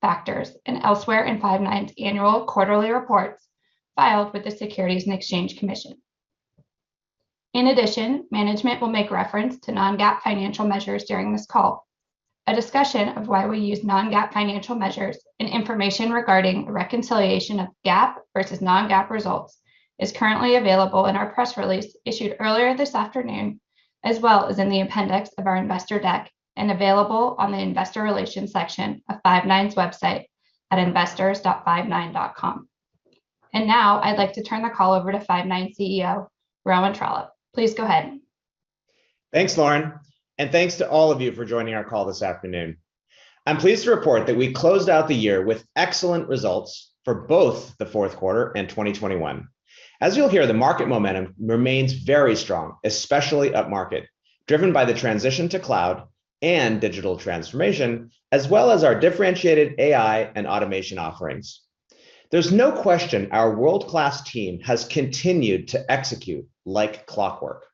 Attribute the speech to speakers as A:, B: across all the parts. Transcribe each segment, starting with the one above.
A: Factors and elsewhere in Five9's annual and quarterly reports filed with the Securities and Exchange Commission. In addition, management will make reference to Non-GAAP financial measures during this call. A discussion of why we use Non-GAAP financial measures and information regarding reconciliation of GAAP versus Non-GAAP results is currently available in our press release issued earlier this afternoon, as well as in the appendix of our investor deck, and available on the investor relations section of Five9's website at investors.five9.com. Now I'd like to turn the call over to Five9 CEO, Rowan Trollope. Please go ahead.
B: Thanks, Lauren, and thanks to all of you for joining our call this afternoon. I'm pleased to report that we closed out the year with excellent results for both the fourth quarter and 2021. As you'll hear, the market momentum remains very strong, especially up-market, driven by the transition to cloud and digital transformation, as well as our differentiated AI and automation offerings. There's no question our world-class team has continued to execute like clockwork.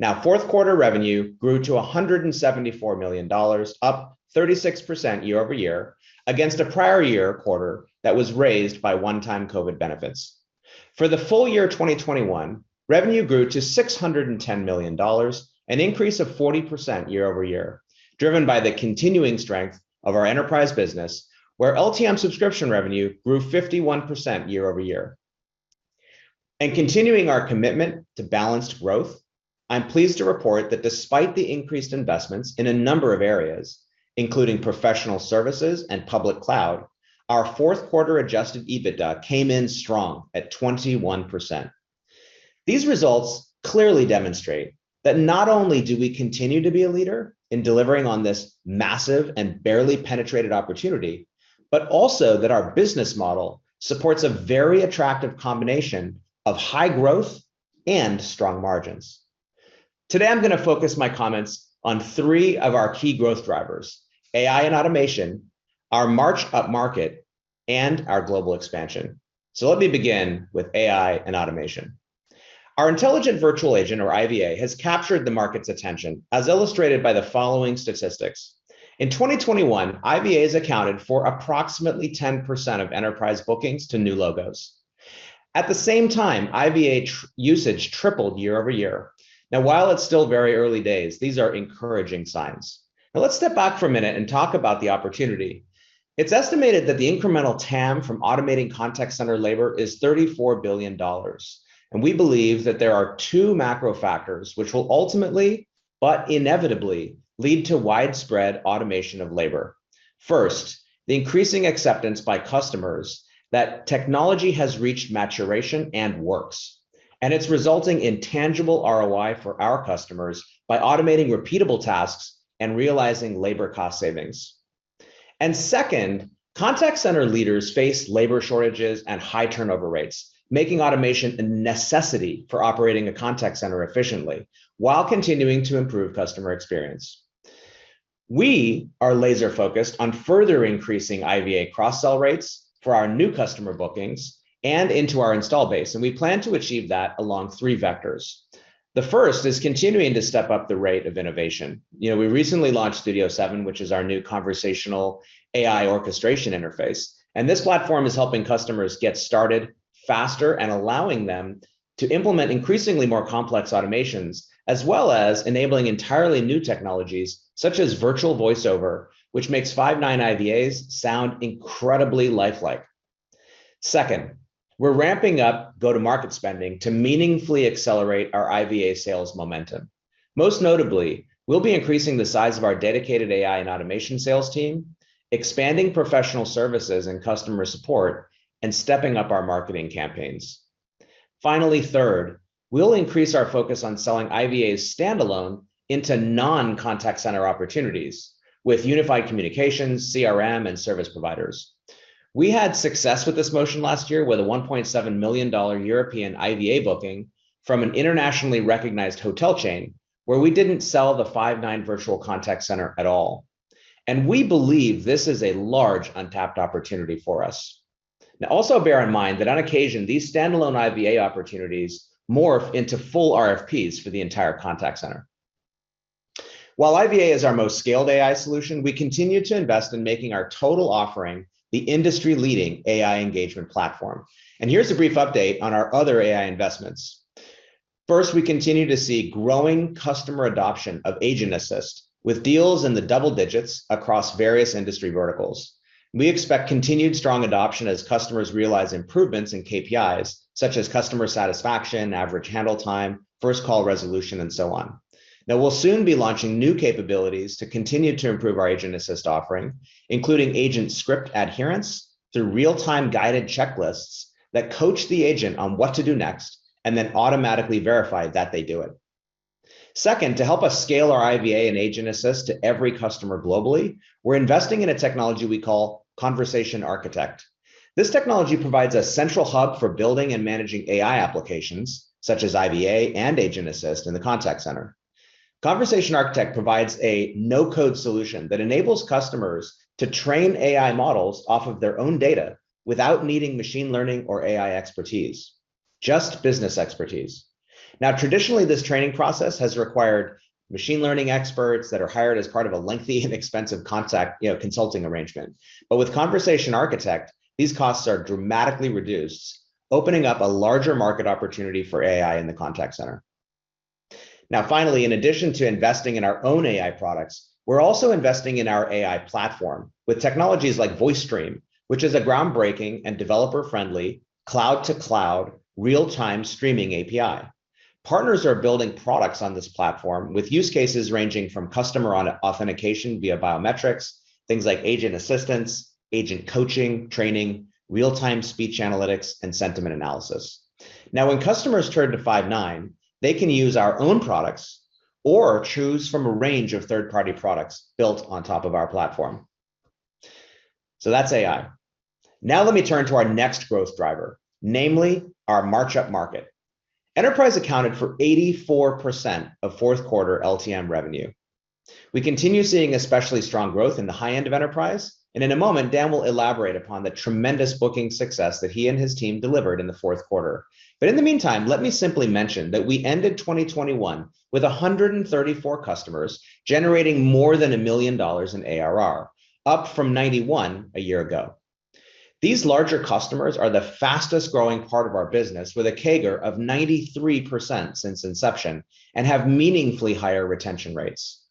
B: Now, fourth quarter revenue grew to $174 million, up 36% year-over-year, against a prior year quarter that was raised by one-time COVID benefits. For the full year of 2021, revenue grew to $610 million, an increase of 40% year-over-year, driven by the continuing strength of our enterprise business, where LTM subscription revenue grew 51% year-over-year. Continuing our commitment to balanced growth, I'm pleased to report that despite the increased investments in a number of areas, including professional services and public cloud, our fourth quarter Adjusted EBITDA came in strong at 21%. These results clearly demonstrate that not only do we continue to be a leader in delivering on this massive and barely penetrated opportunity, but also that our business model supports a very attractive combination of high growth and strong margins. Today, I'm gonna focus my comments on three of our key growth drivers. AI and automation, our march up-market, and our global expansion. Let me begin with AI and automation. Our Intelligent Virtual Agent, or IVA, has captured the market's attention, as illustrated by the following statistics. In 2021, IVAs accounted for approximately 10% of enterprise bookings to new logos. At the same time, IVA usage tripled year-over-year. Now, while it's still very early days, these are encouraging signs. Now, let's step back for a minute and talk about the opportunity. It's estimated that the incremental TAM from automating contact center labor is $34 billion, and we believe that there are two macro factors which will ultimately but inevitably lead to widespread automation of labor. First, the increasing acceptance by customers that technology has reached maturation and works, and it's resulting in tangible ROI for our customers by automating repeatable tasks and realizing labor cost savings. Second, contact center leaders face labor shortages and high turnover rates, making automation a necessity for operating a contact center efficiently while continuing to improve customer experience. We are laser-focused on further increasing IVA cross-sell rates for our new customer bookings and into our install base, and we plan to achieve that along three vectors. The first is continuing to step up the rate of innovation. You know, we recently launched Studio 7, which is our new conversational AI orchestration interface, and this platform is helping customers get started faster and allowing them to implement increasingly more complex automations, as well as enabling entirely new technologies such as virtual voiceover, which makes Five9 IVAs sound incredibly lifelike. Second, we're ramping up go-to-market spending to meaningfully accelerate our IVA sales momentum. Most notably, we'll be increasing the size of our dedicated AI and automation sales team, expanding professional services and customer support, and stepping up our marketing campaigns. Finally, third, we'll increase our focus on selling IVAs standalone into non-contact center opportunities with unified communications, CRM, and service providers. We had success with this motion last year with a $1.7 million European IVA booking from an internationally recognized hotel chain where we didn't sell the Five9 Virtual Contact Center at all, and we believe this is a large untapped opportunity for us. Now, also bear in mind that on occasion, these standalone IVA opportunities morph into full RFPs for the entire contact center. While IVA is our most scaled AI solution, we continue to invest in making our total offering the industry-leading AI engagement platform. Here's a brief update on our other AI investments. First, we continue to see growing customer adoption of Agent Assist, with deals in the double digits across various industry verticals. We expect continued strong adoption as customers realize improvements in KPIs such as customer satisfaction, average handle time, first call resolution, and so on. Now, we'll soon be launching new capabilities to continue to improve our Agent Assist offering, including agent script adherence through real-time guided checklists that coach the agent on what to do next and then automatically verify that they do it. Second, to help us scale our IVA and Agent Assist to every customer globally, we're investing in a technology we call Conversation Architect. This technology provides a central hub for building and managing AI applications, such as IVA and Agent Assist in the contact center. Conversation Architect provides a no-code solution that enables customers to train AI models off of their own data without needing machine learning or AI expertise. Just business expertise. Now traditionally this training process has required machine learning experts that are hired as part of a lengthy and expensive contract, you know, consulting arrangement. But with Conversation Architect these costs are dramatically reduced, opening up a larger market opportunity for AI in the contact center. Now finally, in addition to investing in our own AI products, we're also investing in our AI platform with technologies like VoiceStream, which is a groundbreaking and developer-friendly cloud-to-cloud real-time streaming API. Partners are building products on this platform with use cases ranging from customer authentication via biometrics, things like agent assistance, agent coaching, training, real-time speech analytics, and sentiment analysis. Now when customers turn to Five9 they can use our own products or choose from a range of third-party products built on top of our platform. That's AI. Now let me turn to our next growth driver, namely our large upmarket Enterprise accounted for 84% of fourth quarter LTM revenue. We continue seeing especially strong growth in the high end of Enterprise, and in a moment Dan will elaborate upon the tremendous booking success that he and his team delivered in the fourth quarter. In the meantime, let me simply mention that we ended 2021 with 134 customers generating more than $1 million in ARR up from 91 a year ago. These larger customers are the fastest growing part of our business with a CAGR of 93% since inception and have meaningfully higher retention rates.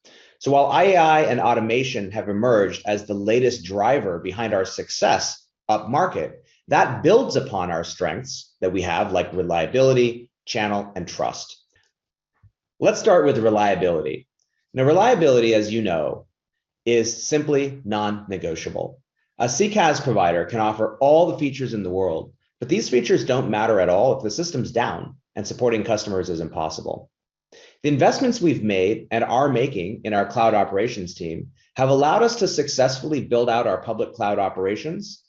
B: While AI and automation have emerged as the latest driver behind our success upmarket that builds upon our strengths that we have like reliability, channel, and trust. Let's start with reliability. Now reliability as you know is simply non-negotiable. A CCaaS provider can offer all the features in the world. These features don't matter at all if the system's down and supporting customers is impossible. The investments we've made and are making in our cloud operations team have allowed us to successfully build out our public cloud operations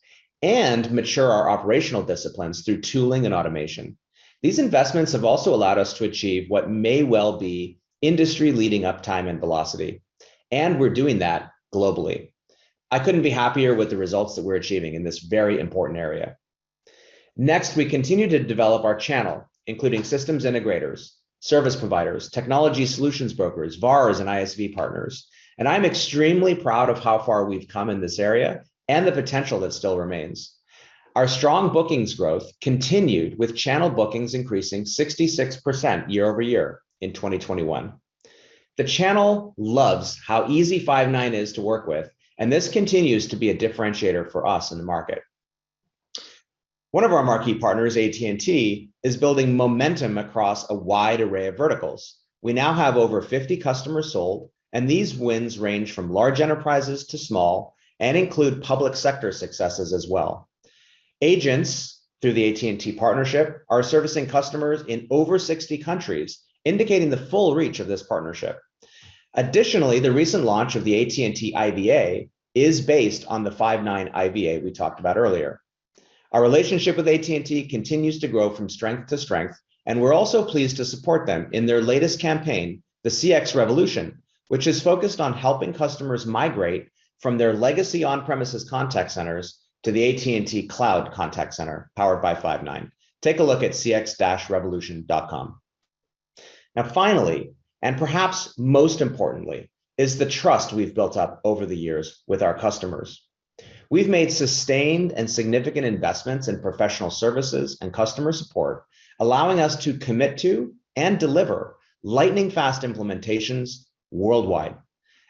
B: and mature our operational disciplines through tooling and automation. These investments have also allowed us to achieve what may well be industry-leading uptime and velocity and we're doing that globally. I couldn't be happier with the results that we're achieving in this very important area. Next we continue to develop our channel including systems integrators service providers technology solutions brokers VARs and ISV partners, and I'm extremely proud of how far we've come in this area and the potential that still remains. Our strong bookings growth continued with channel bookings increasing 66% year-over-year in 2021. The channel loves how easy Five9 is to work with and this continues to be a differentiator for us in the market. One of our marquee partners AT&T is building momentum across a wide array of verticals. We now have over 50 customers sold and these wins range from large enterprises to small and include public sector successes as well. Agents through the AT&T partnership are servicing customers in over 60 countries, indicating the full reach of this partnership. Additionally, the recent launch of the AT&T IVA is based on the Five9 IVA. We talked about earlier our relationship with AT&T continues to grow from strength to strength, and we're also pleased to support them in their latest campaign, the CX Revolution, which is focused on helping customers migrate from their legacy on-premises contact centers to the AT&T cloud contact center powered by Five9. Take a look at cx-revolution.com. Now finally and perhaps most importantly is the trust we've built up over the years with our customers. We've made sustained and significant investments in professional services and customer support, allowing us to commit to and deliver lightning-fast implementations worldwide.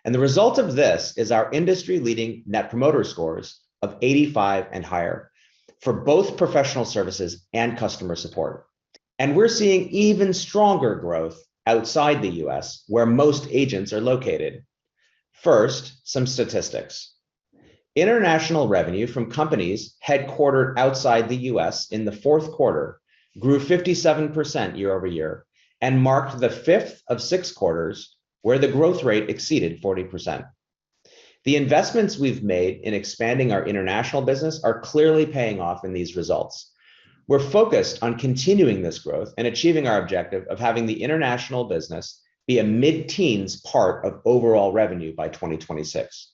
B: The result of this is our industry-leading net promoter scores of 85 and higher for both professional services and customer support, and we're seeing even stronger growth outside the U.S. where most agents are located. First, some statistics. International revenue from companies headquartered outside the U.S. in the fourth quarter grew 57% year-over-year and marked the fifth of six quarters where the growth rate exceeded 40%. The investments we've made in expanding our international business are clearly paying off in these results. We're focused on continuing this growth and achieving our objective of having the international business be a mid-teens part of overall revenue by 2026.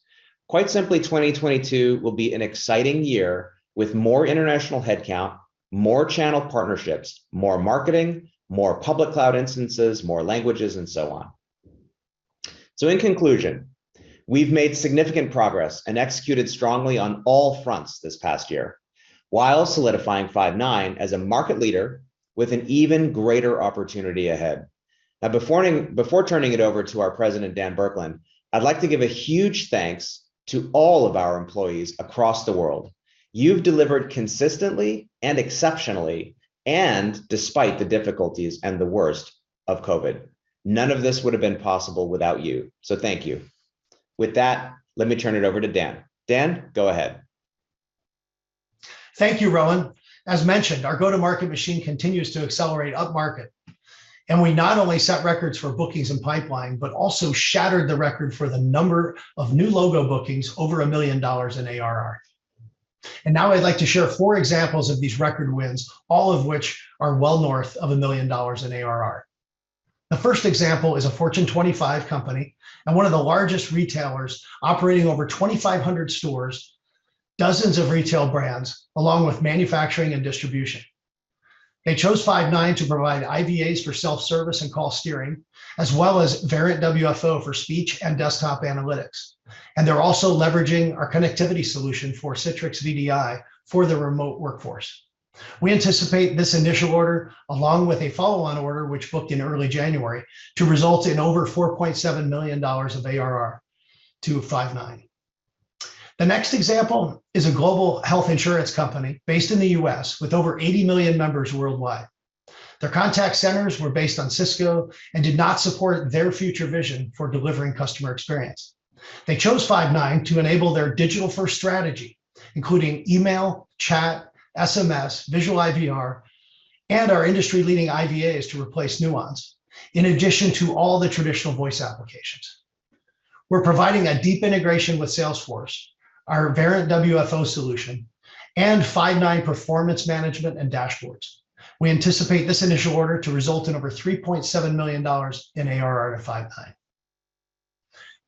B: Quite simply, 2022 will be an exciting year with more international headcount, more channel partnerships, more marketing, more public cloud instances, more languages and so on. In conclusion, we've made significant progress and executed strongly on all fronts this past year while solidifying Five9 as a market leader with an even greater opportunity ahead now before turning it over to our President Dan Burkland. I'd like to give a huge thanks to all of our employees across the world. You've delivered consistently and exceptionally and despite the difficulties and the worst of COVID. None of this would have been possible without you. Thank you with that. Let me turn it over to Dan. Go ahead.
C: Thank you, Rowan. As mentioned, our go-to-market machine continues to accelerate upmarket. We not only set records for bookings and pipeline. Also shattered the record for the number of new logo bookings over $1 million in ARR. Now I'd like to share four examples of these record wins, all of which are well north of $1 million in ARR. The first example is a Fortune 25 company and one of the largest retailers operating over 2,500 stores, dozens of retail brands, along with manufacturing and distribution. They chose Five9 to provide IVAs for self-service and call steering, as well as Verint WFO for speech and desktop analytics. They're also leveraging our connectivity solution for Citrix VDI for their remote workforce. We anticipate this initial order, along with a follow-on order which booked in early January, to result in over $4.7 million of ARR to Five9. The next example is a global health insurance company based in the U.S. with over 80 million members worldwide. Their contact centers were based on Cisco and did not support their future vision for delivering customer experience. They chose Five9 to enable their digital-first strategy, including email, chat, SMS, visual IVR, and our industry-leading IVAs to replace Nuance, in addition to all the traditional voice applications. We're providing a deep integration with Salesforce, our Verint WFO solution, and Five9 performance management and dashboards. We anticipate this initial order to result in over $3.7 million in ARR to Five9.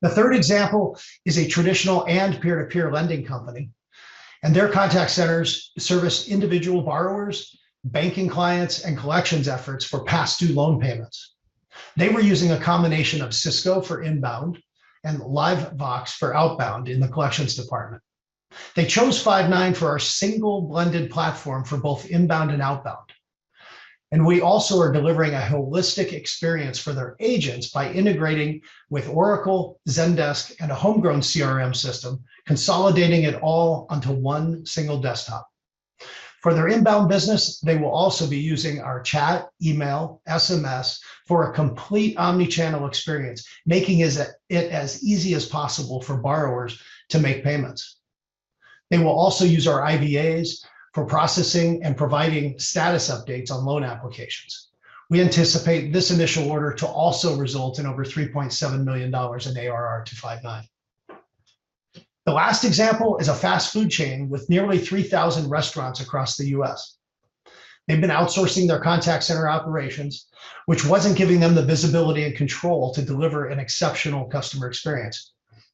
C: The third example is a traditional and peer-to-peer lending company, and their contact centers service individual borrowers, banking clients, and collections efforts for past due loan payments. They were using a combination of Cisco for inbound and LiveVox for outbound in the collections department. They chose Five9 for our single blended platform for both inbound and outbound. We also are delivering a holistic experience for their agents by integrating with Oracle, Zendesk, and a homegrown CRM system, consolidating it all onto one single desktop. For their inbound business, they will also be using our chat, email, SMS for a complete omni-channel experience, making it as easy as possible for borrowers to make payments. They will also use our IVAs for processing and providing status updates on loan applications. We anticipate this initial order to also result in over $3.7 million in ARR to Five9. The last example is a fast food chain with nearly 3,000 restaurants across the U.S. They've been outsourcing their contact center operations, which wasn't giving them the visibility and control to deliver an exceptional customer experience.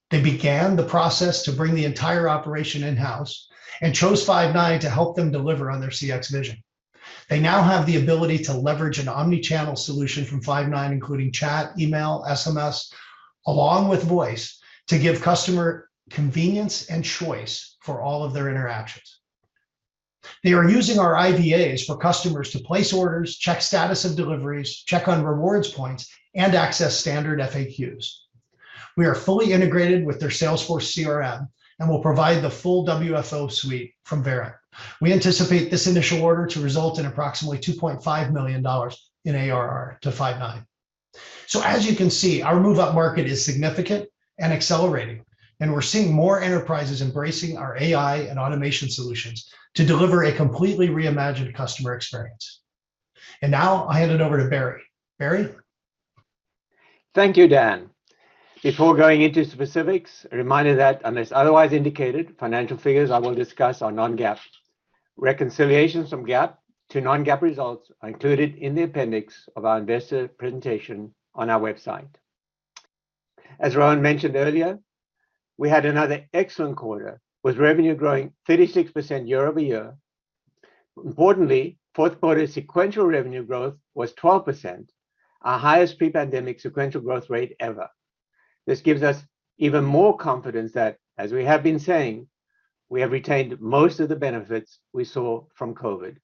C: They began the process to bring the entire operation in-house and chose Five9 to help them deliver on their CX vision. They now have the ability to leverage an omni-channel solution from Five9, including chat, email, SMS, along with voice, to give customer convenience and choice for all of their interactions. They are using our IVAs for customers to place orders, check status of deliveries, check on rewards points, and access standard FAQs. We are fully integrated with their Salesforce CRM and will provide the full WFO suite from Verint. We anticipate this initial order to result in approximately $2.5 million in ARR to Five9. As you can see, our move up market is significant and accelerating, and we're seeing more enterprises embracing our AI and automation solutions to deliver a completely reimagined customer experience. Now I hand it over to Barry. Barry?
D: Thank you, Dan. Before going into specifics, a reminder that unless otherwise indicated, financial figures I will discuss are Non-GAAP. Reconciliations from GAAP to Non-GAAP results are included in the appendix of our investor presentation on our website. As Rowan mentioned earlier, we had another excellent quarter, with revenue growing 36% year-over-year. Importantly, fourth quarter sequential revenue growth was 12%, our highest pre-pandemic sequential growth rate ever. This gives us even more confidence that, as we have been saying, we have retained most of the benefits we saw from COVID.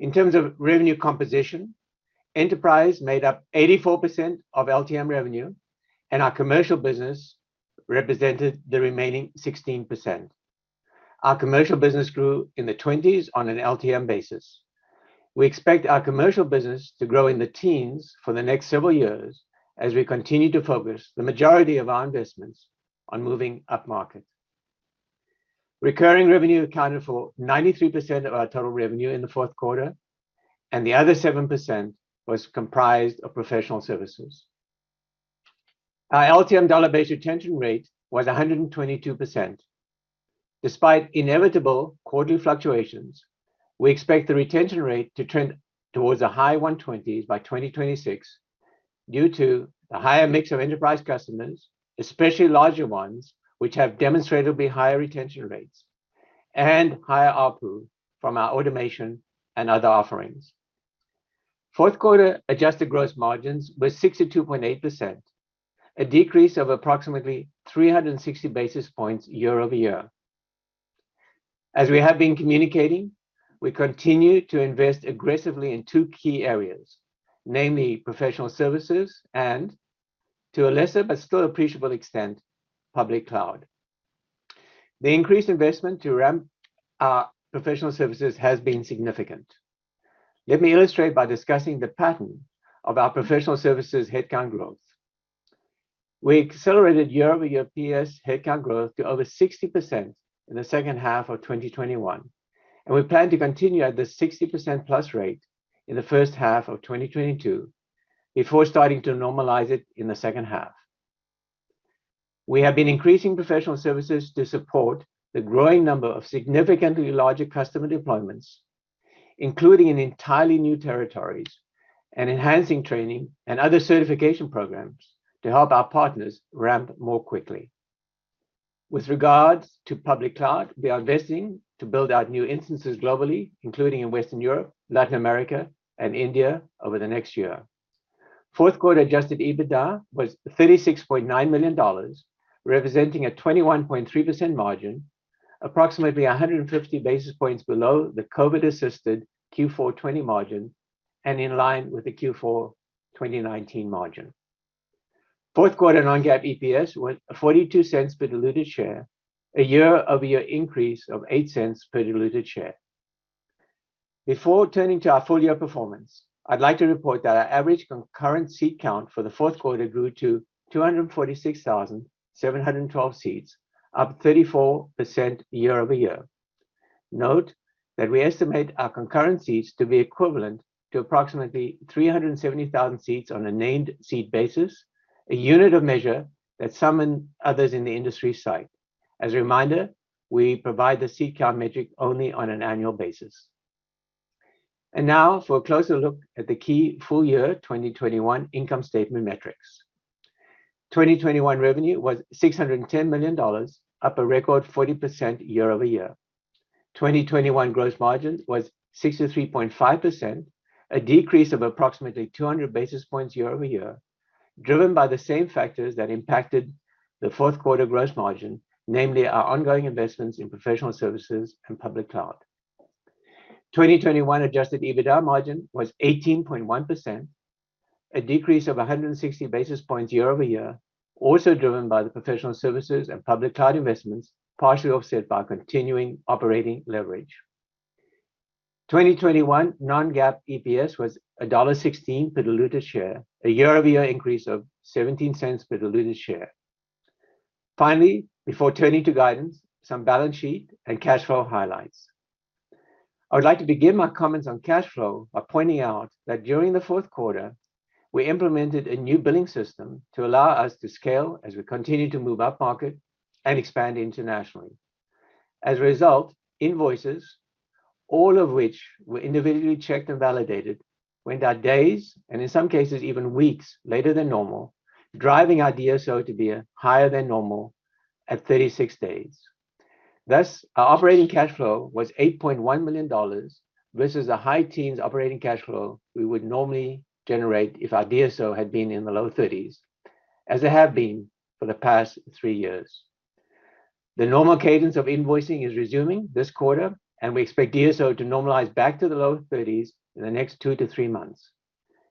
D: In terms of revenue composition, enterprise made up 84% of LTM revenue, and our commercial business represented the remaining 16%. Our commercial business grew in the 20s on an LTM basis. We expect our commercial business to grow in the teens for the next several years as we continue to focus the majority of our investments on moving up-market. Recurring revenue accounted for 93% of our total revenue in the fourth quarter, and the other 7% was comprised of professional services. Our LTM dollar-based retention rate was 122%. Despite inevitable quarterly fluctuations, we expect the retention rate to trend towards a high 120s by 2026 due to the higher mix of enterprise customers, especially larger ones, which have demonstrably higher retention rates and higher ARPU from our automation and other offerings. Fourth quarter adjusted gross margins were 62.8%, a decrease of approximately 360 basis points year-over-year. As we have been communicating, we continue to invest aggressively in two key areas, namely professional services and, to a lesser but still appreciable extent, public cloud. The increased investment to ramp our professional services has been significant. Let me illustrate by discussing the pattern of our professional services headcount growth. We accelerated year-over-year PS headcount growth to over 60% in the second half of 2021, and we plan to continue at the 60%+ rate in the first half of 2022 before starting to normalize it in the second half. We have been increasing professional services to support the growing number of significantly larger customer deployments, including in entirely new territories, and enhancing training and other certification programs to help our partners ramp more quickly. With regards to public cloud, we are investing to build out new instances globally, including in Western Europe, Latin America, and India over the next year. Fourth quarter Adjusted EBITDA was $36.9 million, representing a 21.3% margin, approximately 150 basis points below the COVID-assisted Q4 2020 margin and in line with the Q4 2019 margin. Fourth quarter Non-GAAP EPS was $0.42 per diluted share, a year-over-year increase of $0.08 per diluted share. Before turning to our full-year performance, I'd like to report that our average concurrent seat count for the fourth quarter grew to 246,712 seats, up 34% year-over-year. Note that we estimate our concurrent seats to be equivalent to approximately 370,000 seats on a named seat basis, a unit of measure that some and others in the industry cite. As a reminder, we provide the seat count metric only on an annual basis. Now for a closer look at the key full year 2021 income statement metrics. 2021 revenue was $610 million, up a record 40% year-over-year. 2021 gross margin was 63.5%, a decrease of approximately 200 basis points year-over-year, driven by the same factors that impacted the fourth quarter gross margin, namely our ongoing investments in professional services and public cloud. 2021 Adjusted EBITDA margin was 18.1%, a decrease of 160 basis points year-over-year, also driven by the professional services and public cloud investments, partially offset by continuing operating leverage. 2021 Non-GAAP EPS was $1.16 per diluted share, a year-over-year increase of $0.17 per diluted share. Finally, before turning to guidance, some balance sheet and cash flow highlights. I would like to begin my comments on cash flow by pointing out that during the fourth quarter, we implemented a new billing system to allow us to scale as we continue to move up market and expand internationally. As a result, invoices, all of which were individually checked and validated, went out days, and in some cases, even weeks later than normal, driving our DSO to be higher than normal at 36 days. Thus, our operating cash flow was $8.1 million versus the high teens operating cash flow we would normally generate if our DSO had been in the low thirties, as they have been for the past 3 years. The normal cadence of invoicing is resuming this quarter, and we expect DSO to normalize back to the low thirties in the next two to three months.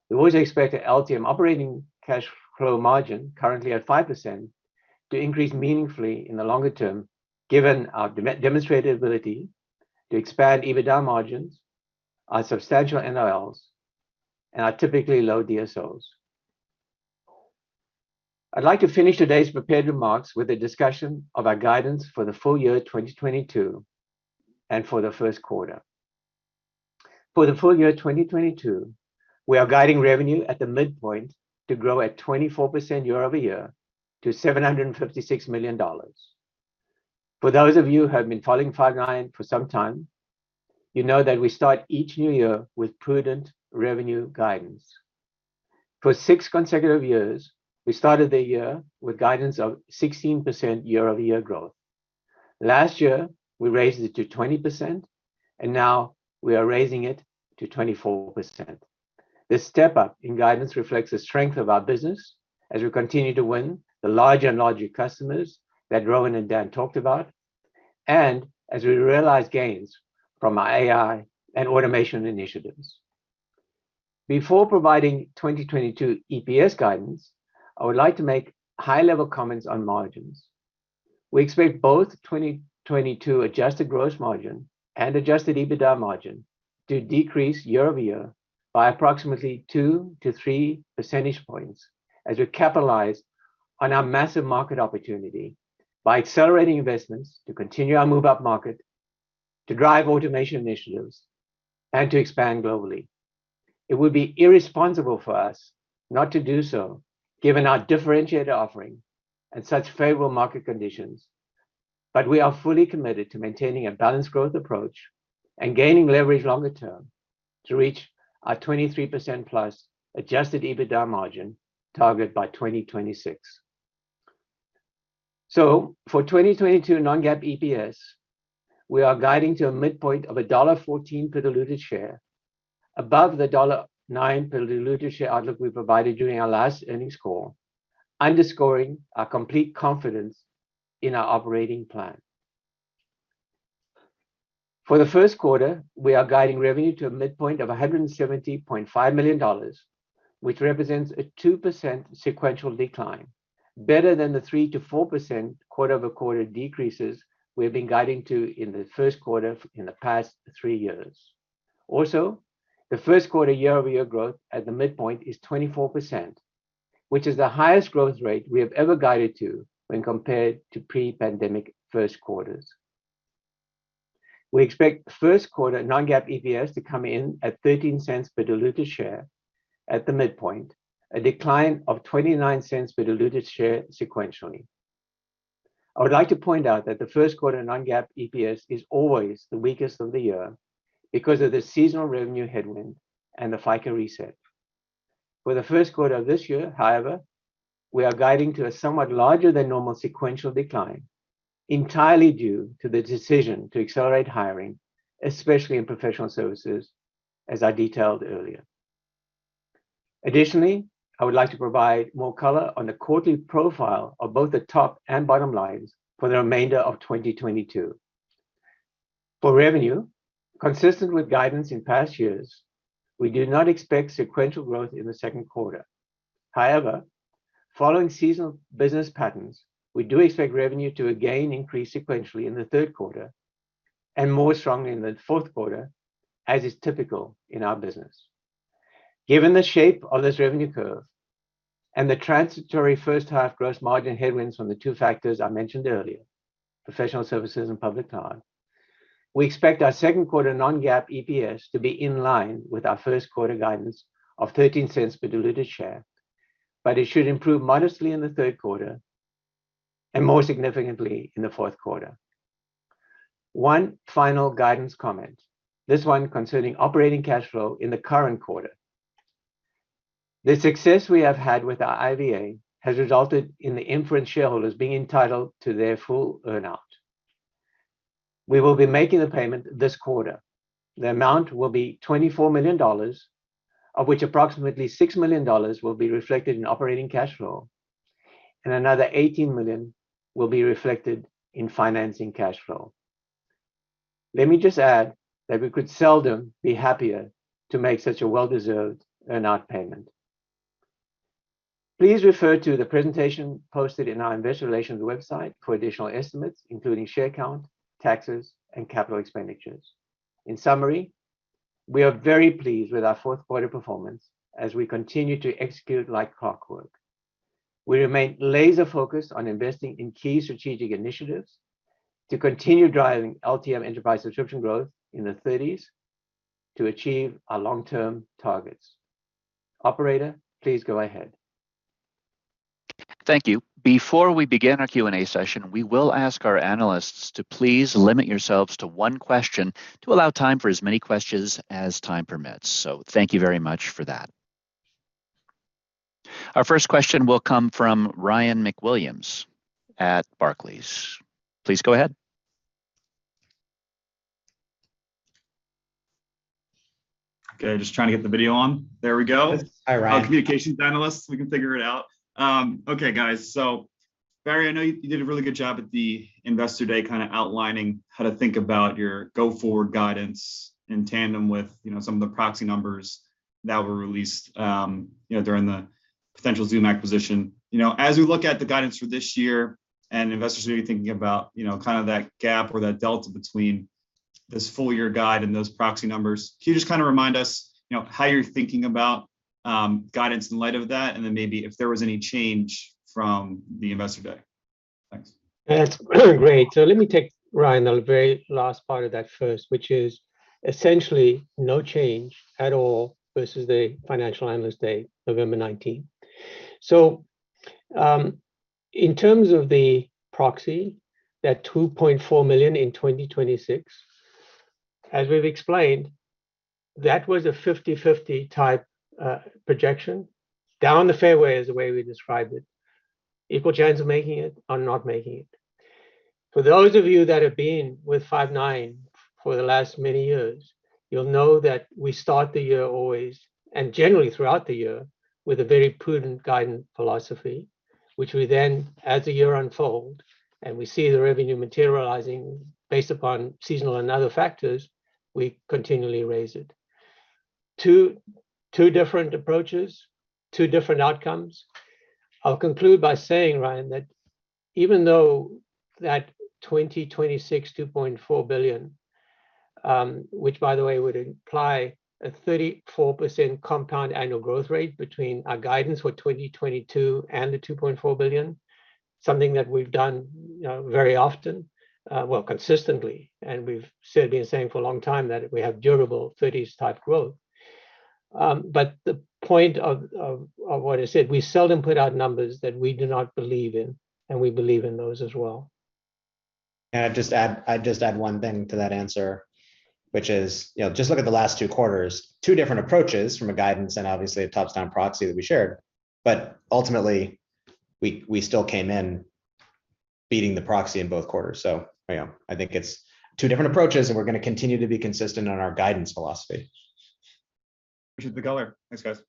D: We always expect our LTM operating cash flow margin, currently at 5%, to increase meaningfully in the longer term given our demonstrated ability to expand EBITDA margins, our substantial NOLs, and our typically low DSOs. I'd like to finish today's prepared remarks with a discussion of our guidance for the full year 2022 and for the first quarter. For the full year 2022, we are guiding revenue at the midpoint to grow at 24% year-over-year to $756 million. For those of you who have been following Five9 for some time, you know that we start each new year with prudent revenue guidance. For six consecutive years, we started the year with guidance of 16% year-over-year growth. Last year, we raised it to 20%, and now we are raising it to 24%. This step-up in guidance reflects the strength of our business as we continue to win the larger and larger customers that Rowan and Dan talked about, and as we realize gains from our AI and automation initiatives. Before providing 2022 EPS guidance, I would like to make high-level comments on margins. We expect both 2022 adjusted gross margin and Adjusted EBITDA margin to decrease year-over-year by approximately 2-3 percentage points as we capitalize on our massive market opportunity by accelerating investments to continue our move up market, to drive automation initiatives, and to expand globally. It would be irresponsible for us not to do so given our differentiated offering and such favorable market conditions, but we are fully committed to maintaining a balanced growth approach and gaining leverage longer term to reach our 23%+ Adjusted EBITDA margin target by 2026. For 2022 Non-GAAP EPS, we are guiding to a midpoint of $1.14 per diluted share above the $0.99 per diluted share outlook we provided during our last earnings call, underscoring our complete confidence in our operating plan. For the first quarter, we are guiding revenue to a midpoint of $170.5 million, which represents a 2% sequential decline, better than the 3%-4% quarter-over-quarter decreases we have been guiding to in the first quarter in the past three years. Also, the first quarter year-over-year growth at the midpoint is 24%, which is the highest growth rate we have ever guided to when compared to pre-pandemic first quarters. We expect first quarter Non-GAAP EPS to come in at $0.13 per diluted share at the midpoint, a decline of $0.29 per diluted share sequentially. I would like to point out that the first quarter Non-GAAP EPS is always the weakest of the year because of the seasonal revenue headwind and the FICA reset. For the first quarter of this year, however, we are guiding to a somewhat larger than normal sequential decline entirely due to the decision to accelerate hiring, especially in professional services, as I detailed earlier. Additionally, I would like to provide more color on the quarterly profile of both the top and bottom lines for the remainder of 2022. For revenue, consistent with guidance in past years, we do not expect sequential growth in the second quarter. However, following seasonal business patterns, we do expect revenue to again increase sequentially in the third quarter and more strongly in the fourth quarter, as is typical in our business. Given the shape of this revenue curve and the transitory first half gross margin headwinds from the two factors I mentioned earlier, professional services and public cloud, we expect our second quarter Non-GAAP EPS to be in line with our first quarter guidance of $0.13 per diluted share, but it should improve modestly in the third quarter and more significantly in the fourth quarter. One final guidance comment, this one concerning operating cash flow in the current quarter. The success we have had with our IVA has resulted in the Inference shareholders being entitled to their full earn-out. We will be making the payment this quarter. The amount will be $24 million, of which approximately $6 million will be reflected in operating cash flow and another $18 million will be reflected in financing cash flow. Let me just add that we could not be happier to make such a well-deserved earn-out payment. Please refer to the presentation posted in our investor relations website for additional estimates, including share count, taxes and capital expenditures. In summary, we are very pleased with our fourth quarter performance as we continue to execute like clockwork. We remain laser focused on investing in key strategic initiatives to continue driving LTM enterprise subscription growth in the thirties to achieve our long term targets. Operator, please go ahead.
A: Thank you. Before we begin our Q&A session, we will ask our analysts to please limit yourselves to one question to allow time for as many questions as time permits. Thank you very much for that. Our first question will come from Ryan MacWilliams at Barclays. Please go ahead.
E: Okay. Just trying to get the video on. There we go.
B: Hi, Ryan.
E: Our communications analyst, we can figure it out. Okay, guys. Barry, I know you did a really good job at the Investor Day kinda outlining how to think about your go forward guidance in tandem with, you know, some of the proxy numbers that were released, you know, during the potential Zoom acquisition. You know, as we look at the guidance for this year, and investors are gonna be thinking about, you know, kind of that gap or that delta between this full year guide and those proxy numbers, can you just kinda remind us, you know, how you're thinking about, guidance in light of that, and then maybe if there was any change from the Investor Day? Thanks.
D: That's great. Let me take, Ryan, the very last part of that first, which is essentially no change at all versus the Financial Analyst Day, November nineteenth. In terms of the proxy, that $2.4 million in 2026, as we've explained, that was a 50/50 type projection. Down the fairway is the way we described it. Equal chance of making it or not making it. For those of you that have been with Five9 for the last many years, you'll know that we start the year always, and generally throughout the year, with a very prudent guidance philosophy, which we then, as the year unfold and we see the revenue materializing based upon seasonal and other factors, we continually raise it. Two different approaches, two different outcomes. I'll conclude by saying, Ryan, that even though that 2026 $2.4 billion, which by the way, would imply a 34% CAGR between our guidance for 2022 and the $2.4 billion, something that we've done very often, well, consistently, and we've certainly been saying for a long time that we have durable 30s-type growth. The point of what I said, we seldom put out numbers that we do not believe in, and we believe in those as well.
C: Can I just add, I'd just add one thing to that answer, which is, you know, just look at the last two quarters. Two different approaches from a guidance and obviously a tops down proxy that we shared, but ultimately we still came in beating the proxy in both quarters. You know, I think it's two different approaches, and we're gonna continue to be consistent on our guidance philosophy.
E: Appreciate the color. Thanks, guys.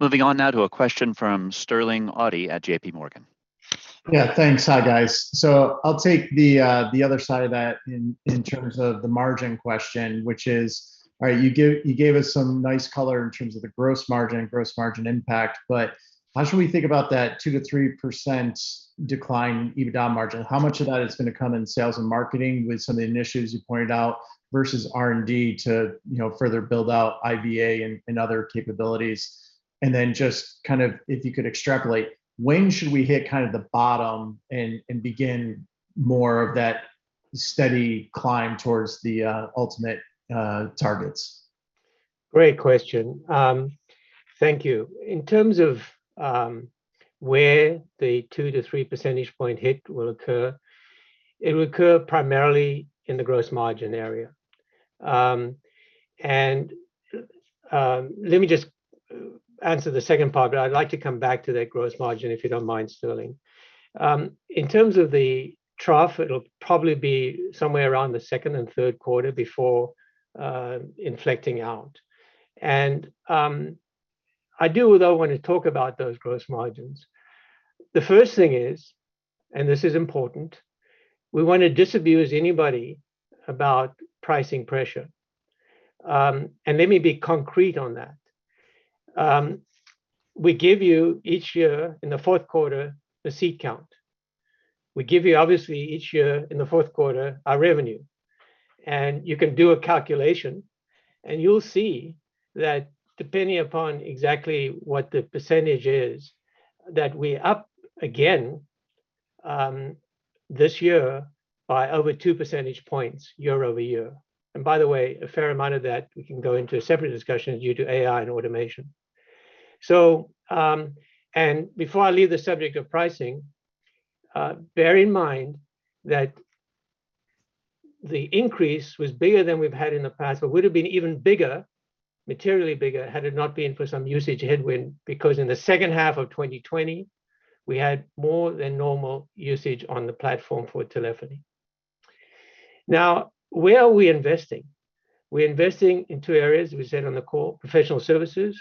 A: Moving on now to a question from Sterling Auty at JPMorgan.
F: Yeah, thanks. Hi, guys. I'll take the other side of that in terms of the margin question, which is, all right, you give, you gave us some nice color in terms of the gross margin, gross margin impact, but how should we think about that 2%-3% decline in EBITDA margin? How much of that is gonna come in sales and marketing with some of the initiatives you pointed out versus R&D to you know further build out IVA and other capabilities? And then just kind of if you could extrapolate, when should we hit kind of the bottom and begin more of that steady climb towards the ultimate targets?
D: Great question. Thank you. In terms of where the two to three percentage point hit will occur, it will occur primarily in the gross margin area. Let me just answer the second part, but I'd like to come back to that gross margin, if you don't mind, Sterling. In terms of the trough, it'll probably be somewhere around the second and third quarter before inflecting out. I do, though, want to talk about those gross margins. The first thing is, and this is important, we want to disabuse anybody about pricing pressure. Let me be concrete on that. We give you each year in the fourth quarter the seat count. We give you, obviously, each year in the fourth quarter our revenue. You can do a calculation, and you'll see that depending upon exactly what the percentage is, that we're up again this year by over two percentage points year-over-year. By the way, a fair amount of that we can go into a separate discussion due to AI and automation. Before I leave the subject of pricing, bear in mind that the increase was bigger than we've had in the past, but would have been even bigger, materially bigger, had it not been for some usage headwind, because in the second half of 2020 we had more than normal usage on the platform for telephony. Now, where are we investing? We're investing in two areas we said on the call, professional services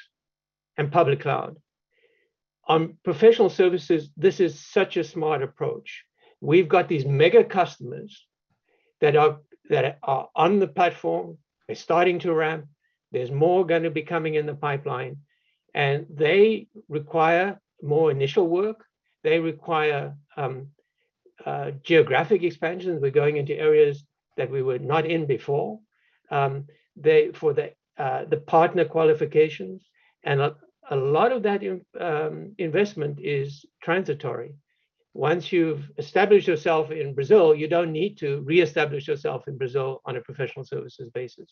D: and public cloud. On professional services, this is such a smart approach. We've got these mega customers that are on the platform, they're starting to ramp, there's more gonna be coming in the pipeline, and they require more initial work. They require geographic expansion. We're going into areas that we were not in before for the partner qualifications. A lot of that investment is transitory. Once you've established yourself in Brazil, you don't need to reestablish yourself in Brazil on a professional services basis.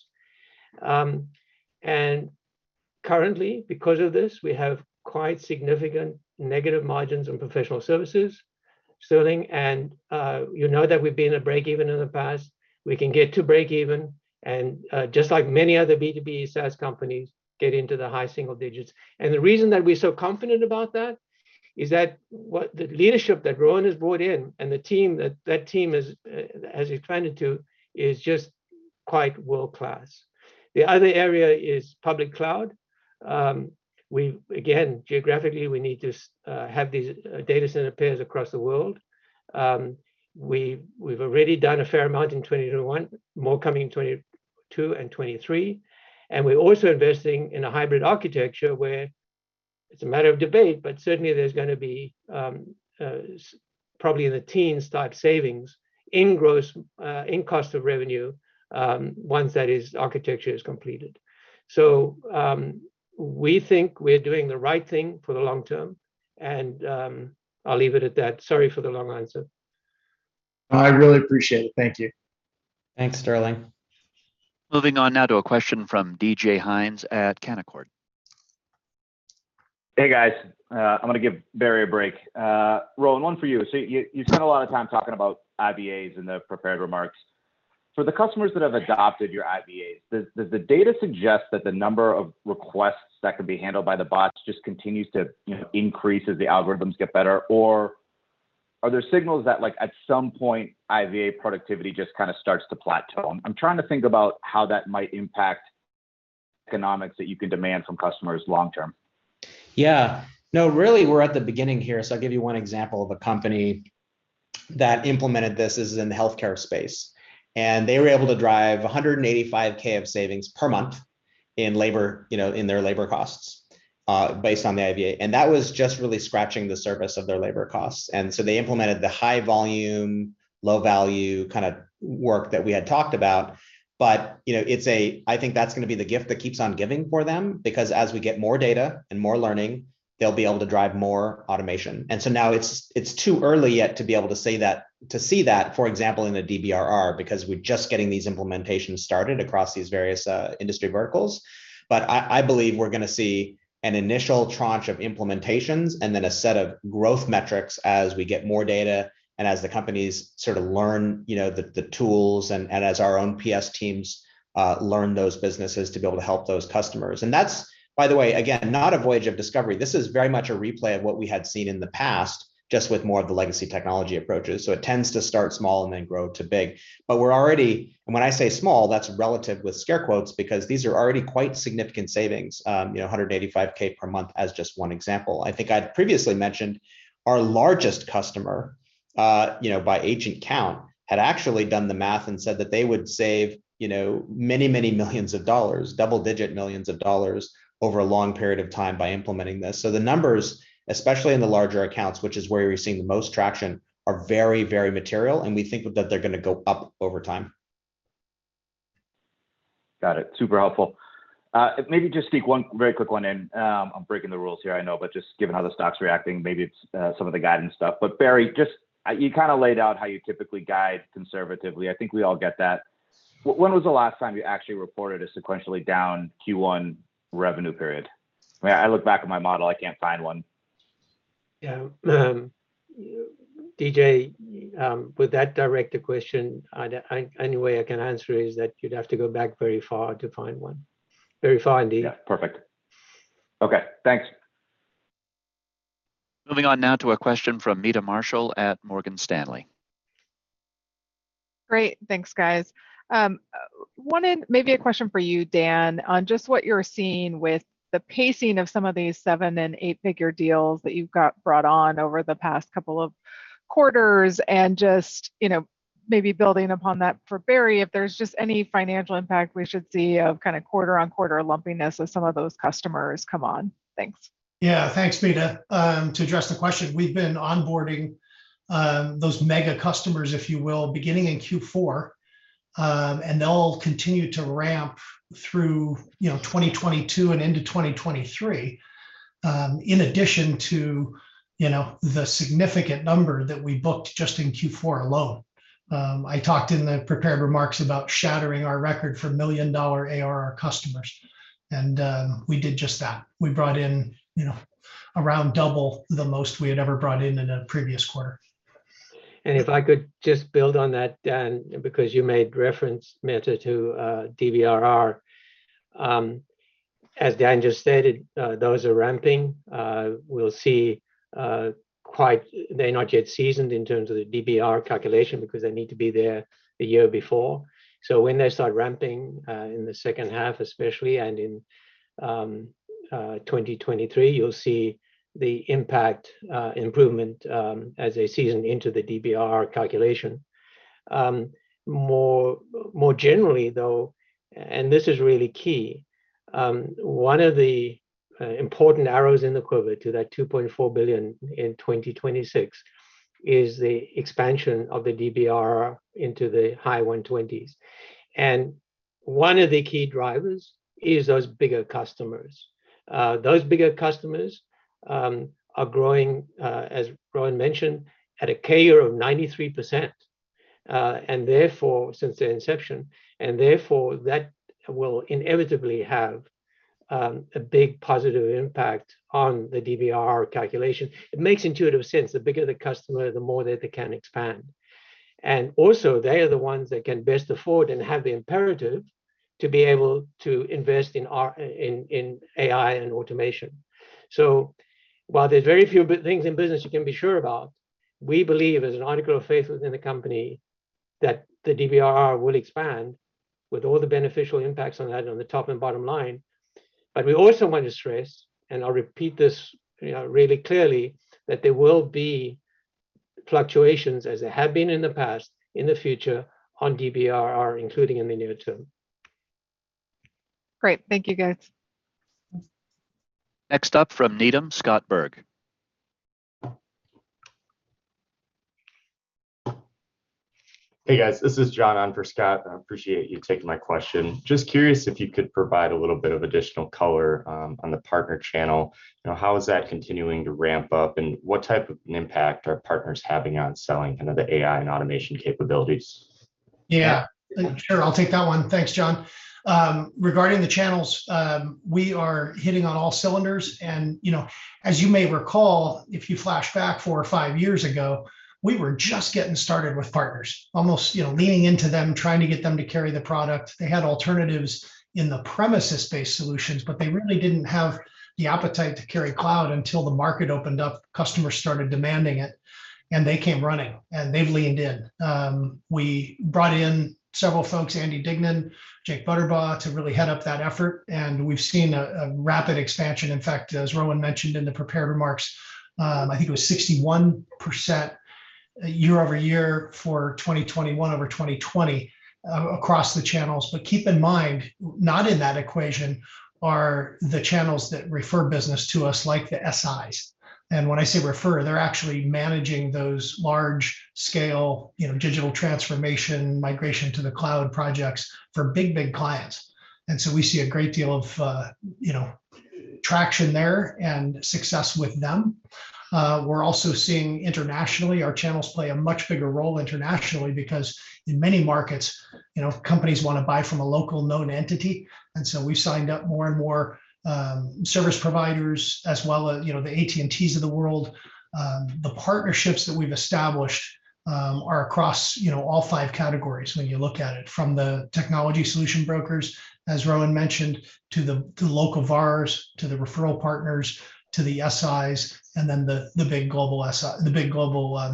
D: Currently because of this, we have quite significant negative margins on professional services, Sterling, you know that we've been a break even in the past. We can get to break even, just like many other B2B SaaS companies get into the high single digits. The reason that we're so confident about that is that what the leadership that Rowan has brought in and the team, that team, as he's trying to do, is just quite world-class. The other area is public cloud. We again, geographically, we need to have these data center pairs across the world. We've already done a fair amount in 2021, more coming in 2022 and 2023. We're also investing in a hybrid architecture where it's a matter of debate, but certainly there's gonna be probably in the teens cost savings in cost of revenue once that architecture is completed. We think we're doing the right thing for the long term, and I'll leave it at that. Sorry for the long answer.
F: I really appreciate it. Thank you.
D: Thanks, Sterling.
A: Moving on now to a question from David Hynes at Canaccord.
G: Hey, guys. I'm gonna give Barry a break. Rowan, one for you. You spent a lot of time talking about IVAs in the prepared remarks. For the customers that have adopted your IVAs, does the data suggest that the number of requests that could be handled by the bots just continues to, you know, increase as the algorithms get better? Or are there signals that, like, at some point, IVA productivity just kinda starts to plateau? I'm trying to think about how that might impact economics that you can demand from customers long term.
B: Yeah. No, really, we're at the beginning here, so I'll give you one example of a company that implemented this. This is in the healthcare space. They were able to drive $185,000 of savings per month in labor, you know, in their labor costs, based on the IVA. That was just really scratching the surface of their labor costs. They implemented the high volume, low value kinda work that we had talked about. You know, I think that's gonna be the gift that keeps on giving for them because as we get more data and more learning, they'll be able to drive more automation. Now it's too early yet to be able to say that, to see that, for example, in the DBRR because we're just getting these implementations started across these various industry verticals. I believe we're gonna see an initial tranche of implementations and then a set of growth metrics as we get more data and as the companies sort of learn the tools and as our own PS teams learn those businesses to be able to help those customers. That's, by the way, again, not a voyage of discovery. This is very much a replay of what we had seen in the past, just with more of the legacy technology approaches. It tends to start small and then grow to big. We're already. When I say small, that's relative with scare quotes because these are already quite significant savings. You know, $185,000 per month as just one example. I think I'd previously mentioned our largest customer, you know, by agent count, had actually done the math and said that they would save, you know, many, many millions of dollars, double-digit millions of dollars over a long period of time by implementing this. The numbers, especially in the larger accounts, which is where we're seeing the most traction, are very, very material, and we think that they're gonna go up over time.
G: Got it. Super helpful. Maybe just sneak one very quick one in. I'm breaking the rules here, I know, but just given how the stock's reacting, maybe it's some of the guidance stuff. Barry, just you kinda laid out how you typically guide conservatively. I think we all get that. When was the last time you actually reported a sequentially down Q1 revenue period? I mean, I look back at my model, I can't find one.
C: Yeah. You, DJ, with such a direct question, the only way I can answer is that you'd have to go back very far to find one. Very far indeed.
G: Yeah. Perfect. Okay, thanks.
A: Moving on now to a question from Meta Marshall at Morgan Stanley.
H: Great. Thanks, guys. Maybe a question for you, Dan, on just what you're seeing with the pacing of some of these seven and eight figure deals that you've got brought on over the past couple of quarters, and just, you know, maybe building upon that for Barry, if there's just any financial impact we should see of kind a quarter-on-quarter lumpiness as some of those customers come on. Thanks.
C: Yeah. Thanks, Meta. To address the question, we've been onboarding those mega customers, if you will, beginning in Q4. They'll continue to ramp through, you know, 2022 and into 2023, in addition to, you know, the significant number that we booked just in Q4 alone. I talked in the prepared remarks about shattering our record for million-dollar ARR customers, and we did just that. We brought in, you know, around double the most we had ever brought in in a previous quarter.
D: If I could just build on that, Dan, because you made reference, Meta, to DBRR. As Dan just stated, those are ramping. We'll see. They're not yet seasoned in terms of the DBRR calculation because they need to be there a year before. When they start ramping in the second half especially, and in 2023, you'll see the impact, improvement, as they season into the DBRR calculation. More generally though, and this is really key, one of the important arrows in the quiver to that $2.4 billion in 2026 is the expansion of the DBRR into the high 120s. One of the key drivers is those bigger customers. Those bigger customers are growing, as Rowan mentioned, at a CAGR of 93%, and therefore, since their inception, that will inevitably have a big positive impact on the DBRR calculation. It makes intuitive sense. The bigger the customer, the more that they can expand. And also, they are the ones that can best afford and have the imperative to be able to invest in our AI and automation. While there's very few things in business you can be sure about, we believe as an article of faith within the company that the DBRR will expand with all the beneficial impacts on that on the top and bottom line. We also want to stress, and I'll repeat this, you know, really clearly, that there will be fluctuations as there have been in the past, in the future on DBRR, including in the near term.
H: Great. Thank you, guys.
A: Next up from Needham, Scott Berg.
I: Hey, guys. This is John on for Scott. I appreciate you taking my question. Just curious if you could provide a little bit of additional color on the partner channel. You know, how is that continuing to ramp up, and what type of an impact are partners having on selling kind of the AI and automation capabilities?
C: Yeah. Sure, I'll take that one. Thanks, John. Regarding the channels, we are hitting on all cylinders and, you know, as you may recall, if you flash back 4 or 5 years ago, we were just getting started with partners. Almost, you know, leaning into them, trying to get them to carry the product. They had alternatives in the premises-based solutions, but they really didn't have the appetite to carry cloud until the market opened up, customers started demanding it, and they came running, and they've leaned in. We brought in several folks, Andy Dignan, Jake Butterbaugh, to really head up that effort, and we've seen a rapid expansion. In fact, as Rowan mentioned in the prepared remarks, I think it was 61% year-over-year for 2021 over 2020, across the channels. Keep in mind, not in that equation are the channels that refer business to us like the SIs. When I say refer, they're actually managing those large scale, you know, digital transformation, migration to the cloud projects for big, big clients. We see a great deal of, you know, traction there and success with them. We're also seeing internationally, our channels play a much bigger role internationally because in many markets, you know, companies wanna buy from a local known entity. We've signed up more and more service providers as well as, you know, the AT&Ts of the world. The partnerships that we've established are across, you know, all five categories when you look at it, from the technology solution brokers, as Rowan mentioned, to the local VARs, to the referral partners, to the SIs, and then the big global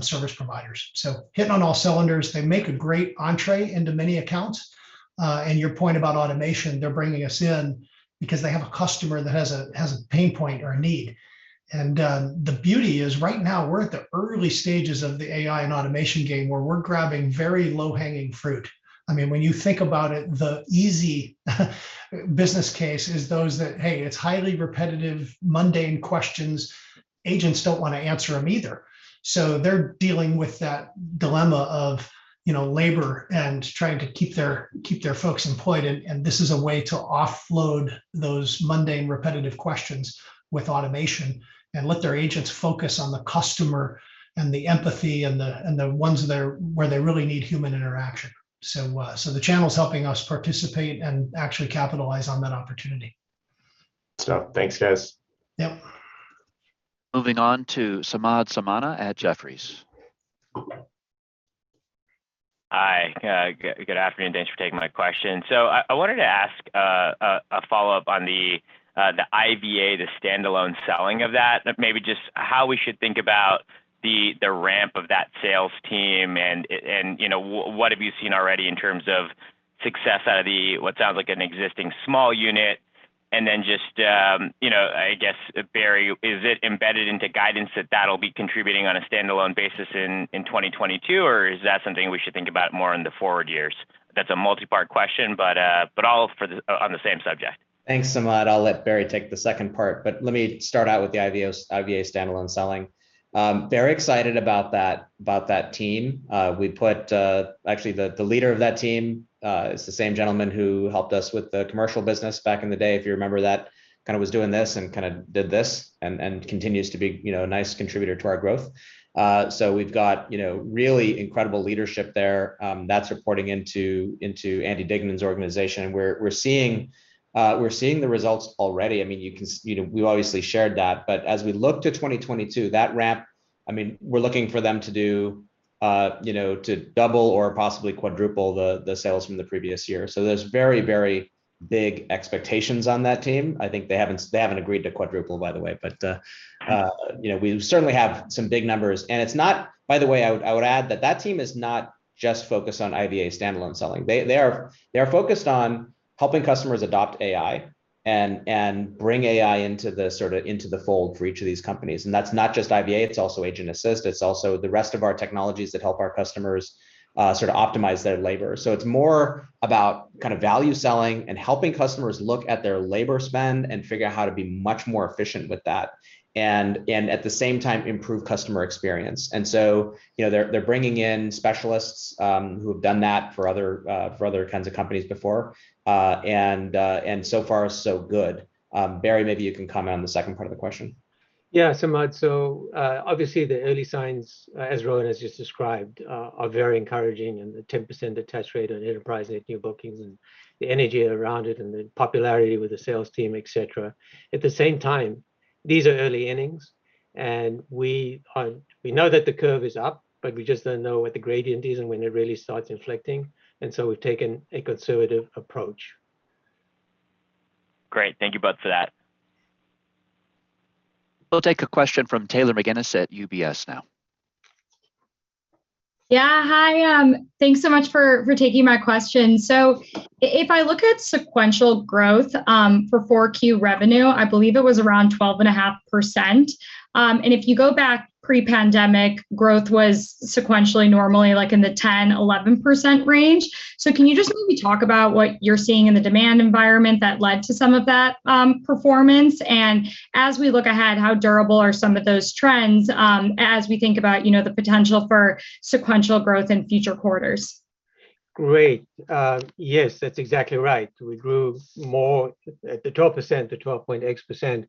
C: service providers. Hitting on all cylinders. They make a great entrée into many accounts. Your point about automation, they're bringing us in because they have a customer that has a pain point or a need. The beauty is right now we're at the early stages of the AI and automation game where we're grabbing very low-hanging fruit. I mean, when you think about it, the easy business case is those that, hey, it's highly repetitive, mundane questions. Agents don't wanna answer them either. They're dealing with that dilemma of, you know, labor and trying to keep their folks employed and this is a way to offload those mundane, repetitive questions with automation and let their agents focus on the customer and the empathy and the ones there where they really need human interaction. The channel's helping us participate and actually capitalize on that opportunity.
I: Awesome. Thanks, guys.
C: Yep.
A: Moving on to Samad Samana at Jefferies.
J: Good afternoon. Thanks for taking my question. I wanted to ask a follow-up on the IVA, the standalone selling of that. Maybe just how we should think about the ramp of that sales team and, you know, what have you seen already in terms of success out of what sounds like an existing small unit. Then just, you know, I guess, Barry, is it embedded into guidance that that'll be contributing on a standalone basis in 2022 or is that something we should think about more in the forward years? That's a multi-part question, but all on the same subject.
B: Thanks, Samad. I'll let Barry take the second part. Let me start out with the IVA standalone selling. Very excited about that team. Actually, the leader of that team is the same gentleman who helped us with the commercial business back in the day, if you remember that, kind of was doing this and continues to be, you know, a nice contributor to our growth. So we've got, you know, really incredible leadership there, that's reporting into Andy Dignan's organization. We're seeing the results already. I mean, you know, we've obviously shared that. As we look to 2022, that ramp, I mean, we're looking for them to do, you know, to double or possibly quadruple the sales from the previous year. There's very, very big expectations on that team. I think they haven't agreed to quadruple, by the way. We certainly have some big numbers. By the way, I would add that that team is not just focused on IVA standalone selling. They are focused on helping customers adopt AI and bring AI into the fold for each of these companies. That's not just IVA, it's also Agent Assist, it's also the rest of our technologies that help our customers sort of optimize their labor. It's more about kind of value selling and helping customers look at their labor spend and figure out how to be much more efficient with that and at the same time improve customer experience. You know, they're bringing in specialists who have done that for other kinds of companies before. So far, so good. Barry, maybe you can comment on the second part of the question.
D: Yeah, Samad. Obviously the early signs, as Rowan has just described, are very encouraging, and the 10% attach rate on enterprise net new bookings and the energy around it and the popularity with the sales team, et cetera. At the same time, these are early innings, and we know that the curve is up, but we just don't know what the gradient is and when it really starts inflecting, and so we've taken a conservative approach.
J: Great. Thank you both for that.
A: We'll take a question from Taylor McGinnis at UBS now.
K: Hi, thanks so much for taking my question. If I look at sequential growth for Q4 revenue, I believe it was around 12.5%. If you go back pre-pandemic, growth was sequentially normally like in the 10%-11% range. Can you just maybe talk about what you're seeing in the demand environment that led to some of that performance? As we look ahead, how durable are some of those trends as we think about, you know, the potential for sequential growth in future quarters?
D: Great. Yes, that's exactly right. We grew more at the 12% to 12.x% was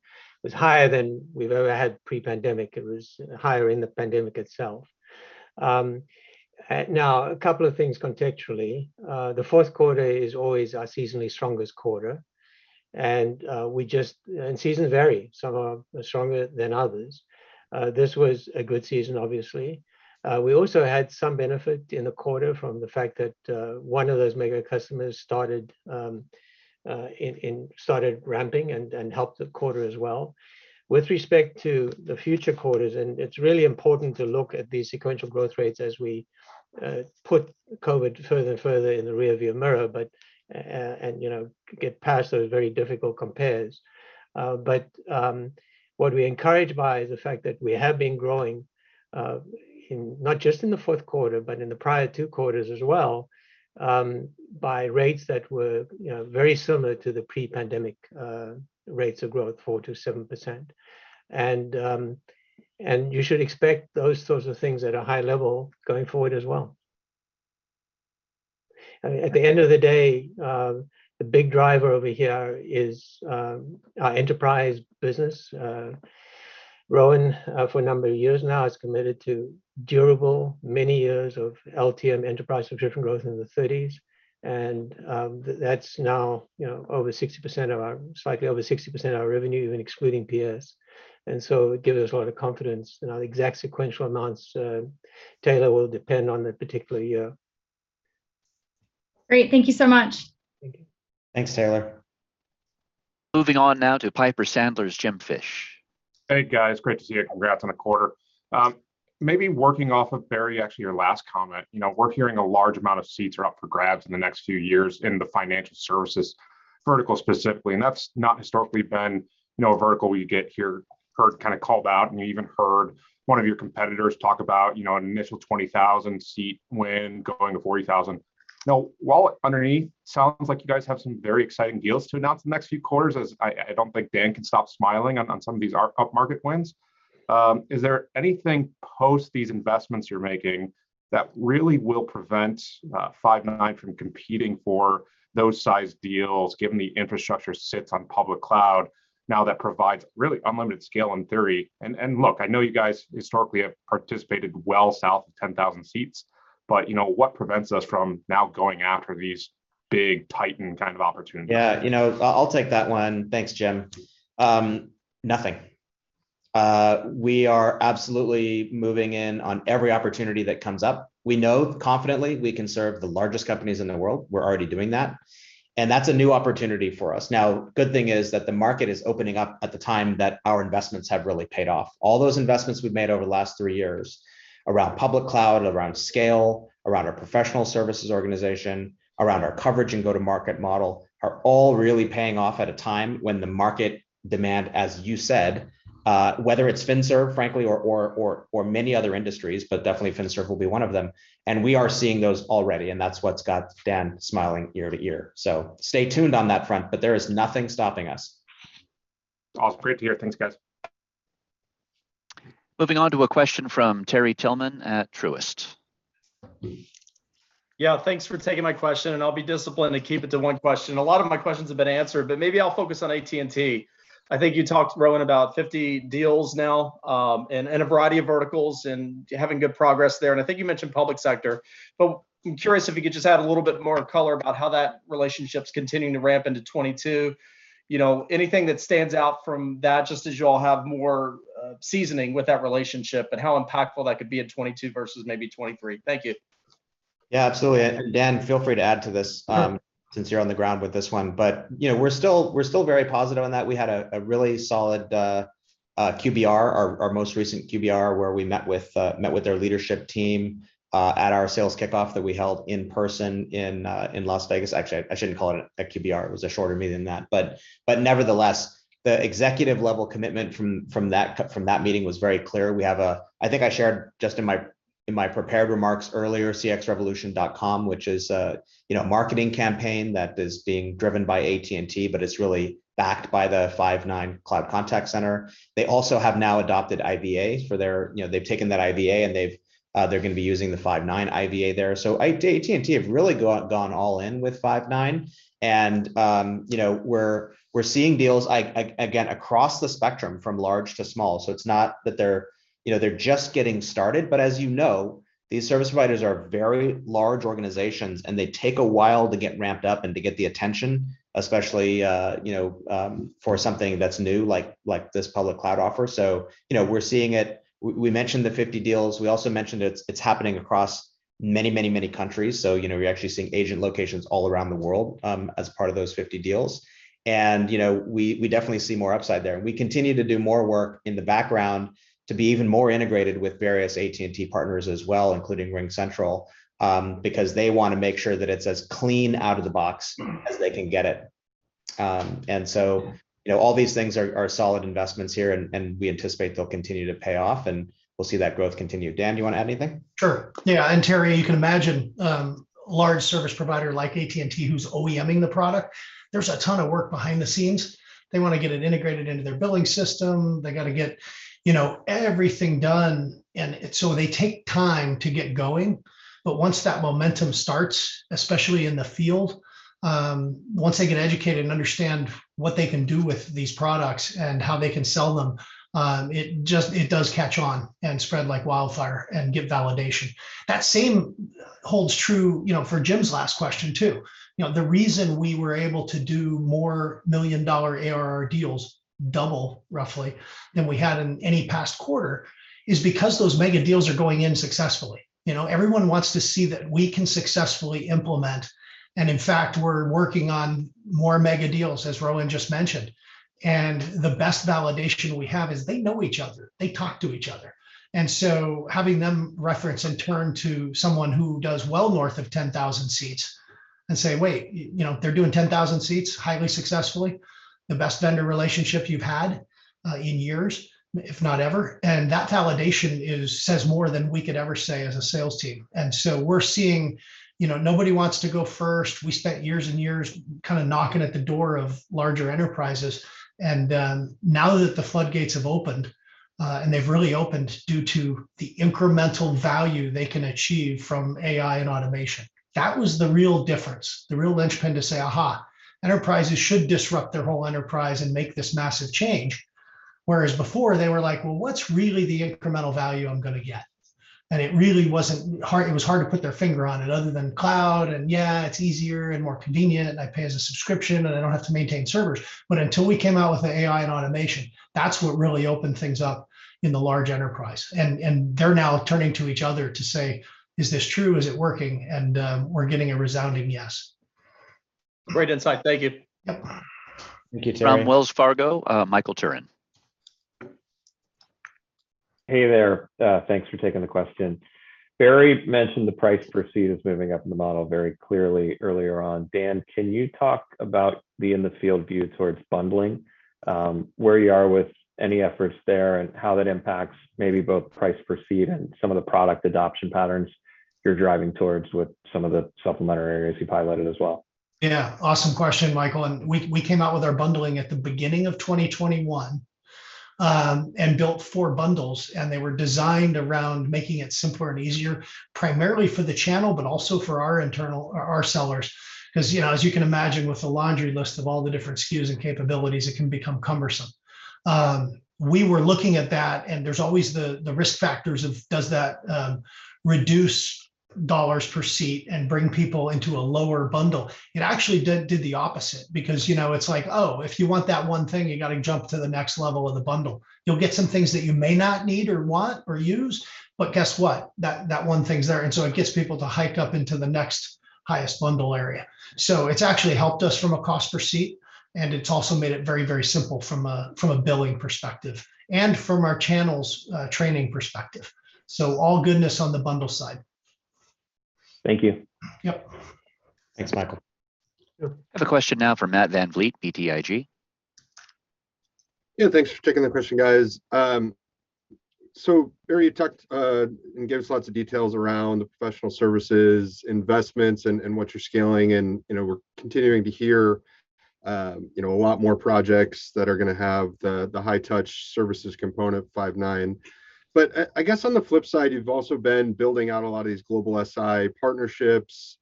D: higher than we've ever had pre-pandemic. It was higher in the pandemic itself. Now a couple of things contextually. The fourth quarter is always our seasonally strongest quarter, and seasons vary. Some are stronger than others. This was a good season, obviously. We also had some benefit in the quarter from the fact that one of those mega customers started ramping and helped the quarter as well. With respect to the future quarters, it's really important to look at the sequential growth rates as we put COVID further and further in the rear view mirror, and you know, get past those very difficult compares. What we encouraged by is the fact that we have been growing in not just the fourth quarter, but in the prior two quarters as well by rates that were, you know, very similar to the pre-pandemic rates of growth, 4%-7%. You should expect those sorts of things at a high level going forward as well. I mean, at the end of the day, the big driver over here is our enterprise business. Rowan, for a number of years now, is committed to delivering many years of LTM enterprise subscription growth in the 30s. That's now, you know, slightly over 60% of our revenue, even excluding PS. It gives us a lot of confidence. You know, the exact sequential amounts, Taylor, will depend on the particular year.
K: Great. Thank you so much.
D: Thank you.
B: Thanks, Taylor.
A: Moving on now to Piper Sandler's James Fish.
L: Hey, guys. Great to see you. Congrats on the quarter. Maybe working off of Barry, actually, your last comment. You know, we're hearing a large amount of seats are up for grabs in the next few years in the financial services vertical specifically, and that's not historically been, you know, a vertical you get to hear kind of called out. We even heard one of your competitors talk about, you know, an initial 20,000 seat win going to 40,000. Now, Rowan Trollope underneath sounds like you guys have some very exciting deals to announce in the next few quarters, as I don't think Dan can stop smiling on some of these up-market wins. Is there anything post these investments you're making that really will prevent Five9 from competing for those size deals, given the infrastructure sits on public cloud now that provides really unlimited scale in theory? Look, I know you guys historically have participated well south of 10,000 seats, but you know, what prevents us from now going after these big titan kind of opportunities?
B: Yeah, you know, I'll take that one. Thanks, Jim. We are absolutely moving in on every opportunity that comes up. We know confidently we can serve the largest companies in the world. We're already doing that and that's a new opportunity for us. Now, good thing is that the market is opening up at the time that our investments have really paid off. All those investments we've made over the last three years around public cloud, around scale, around our professional services organization, around our coverage and go-to-market model, are all really paying off at a time when the market demand, as you said, whether it's FinServ frankly or many other industries, but definitely FinServ will be one of them, and we are seeing those already, and that's what's got Dan smiling ear to ear. Stay tuned on that front, but there is nothing stopping us.
L: Awesome. Great to hear. Thanks, guys.
A: Moving on to a question from Terry Tillman at Truist.
M: Yeah, thanks for taking my question, and I'll be disciplined and keep it to one question. A lot of my questions have been answered, but maybe I'll focus on AT&T. I think you talked, Rowan, about 50 deals now, and in a variety of verticals and having good progress there, and I think you mentioned public sector. I'm curious if you could just add a little bit more color about how that relationship's continuing to ramp into 2022. You know, anything that stands out from that just as you all have more seasoning with that relationship and how impactful that could be in 2022 versus maybe 2023. Thank you.
B: Yeah, absolutely. Dan, feel free to add to this.
C: Yeah
B: Since you're on the ground with this one. You know, we're still very positive on that. We had a really solid QBR, our most recent QBR, where we met with their leadership team at our sales kickoff that we held in person in Las Vegas. Actually, I shouldn't call it a QBR. It was a shorter meeting than that. Nevertheless, the executive-level commitment from that meeting was very clear. I think I shared just in my prepared remarks earlier cxrevolution.com, which is a marketing campaign that is being driven by AT&T, but it's really backed by the Five9 Cloud Contact Center. They also have now adopted IVA for their You know, they've taken that IVA and they're gonna be using the Five9 IVA there. AT&T have really gone all in with Five9 and, you know, we're seeing deals again across the spectrum from large to small. It's not that they're just getting started, but as you know, these service providers are very large organizations, and they take a while to get ramped up and to get the attention, especially for something that's new like this public cloud offer. You know, we're seeing it. We mentioned the 50 deals. We also mentioned it's happening across many countries, so you know, we're actually seeing agent locations all around the world as part of those 50 deals. You know, we definitely see more upside there, and we continue to do more work in the background to be even more integrated with various AT&T partners as well, including RingCentral, because they wanna make sure that it's as clean out of the box as they can get it. You know, all these things are solid investments here and we anticipate they'll continue to pay off, and we'll see that growth continue. Dan, do you wanna add anything?
C: Sure. Yeah. Terry, you can imagine, large service provider like AT&T who's OEMing the product, there's a ton of work behind the scenes. They wanna get it integrated into their billing system. They gotta get, you know, everything done and so they take time to get going. Once that momentum starts, especially in the field, once they get educated and understand what they can do with these products and how they can sell them, it just, it does catch on and spread like wildfire and give validation. That same holds true, you know, for Jim's last question too. You know, the reason we were able to do more million-dollar ARR deals, double roughly, than we had in any past quarter is because those mega deals are going in successfully. You know, everyone wants to see that we can successfully implement, and in fact, we're working on more mega deals, as Rowan just mentioned. The best validation we have is they know each other. They talk to each other. Having them reference and turn to someone who does well north of 10,000 seats and say, "Wait, you know, they're doing 10,000 seats highly successfully. The best vendor relationship you've had in years, if not ever." That validation is, says more than we could ever say as a sales team. We're seeing, you know, nobody wants to go first. We spent years and years kind of knocking at the door of larger enterprises and, now that the floodgates have opened, and they've really opened due to the incremental value they can achieve from AI and automation. That was the real difference, the real linchpin to say, "Aha, enterprises should disrupt their whole enterprise and make this massive change." Whereas before they were like, "Well, what's really the incremental value I'm gonna get?" It really wasn't hard. It was hard to put their finger on it other than cloud, and yeah, it's easier and more convenient, and I pay as a subscription, and I don't have to maintain servers. Until we came out with the AI and automation, that's what really opened things up in the large enterprise, and they're now turning to each other to say, "Is this true? Is it working?" We're getting a resounding yes.
M: Great insight. Thank you.
C: Yep.
B: Thank you, Terry.
A: From Wells Fargo, Michael Turrin.
N: Hey there. Thanks for taking the question. Barry mentioned the price per seat is moving up in the model very clearly earlier on. Dan, can you talk about the in-the-field view towards bundling, where you are with any efforts there and how that impacts maybe both price per seat and some of the product adoption patterns you're driving towards with some of the supplementary areas you've highlighted as well?
C: Yeah. Awesome question, Michael. We came out with our bundling at the beginning of 2021 and built four bundles, and they were designed around making it simpler and easier, primarily for the channel, but also for our internal sellers. Because, you know, as you can imagine with the laundry list of all the different SKUs and capabilities, it can become cumbersome. We were looking at that, and there's always the risk factors of does that reduce dollars per seat and bring people into a lower bundle. It actually did the opposite because, you know, it's like, oh, if you want that one thing, you got to jump to the next level of the bundle. You'll get some things that you may not need or want or use, but guess what? That one thing's there, and it gets people to hike up into the next highest bundle area. It's actually helped us from a cost per seat, and it's also made it very, very simple from a billing perspective, and from our channels training perspective. All goodness on the bundle side.
N: Thank you.
C: Yep.
B: Thanks, Michael.
C: Yep.
A: I have a question now from Matt Van Vliet, BTIG.
O: Yeah, thanks for taking the question, guys. Barry, you talked and gave us lots of details around the professional services investments and what you're scaling and, you know, we're continuing to hear, you know, a lot more projects that are gonna have the high touch services component Five9. I guess on the flip side, you've also been building out a lot of these global SI partnerships.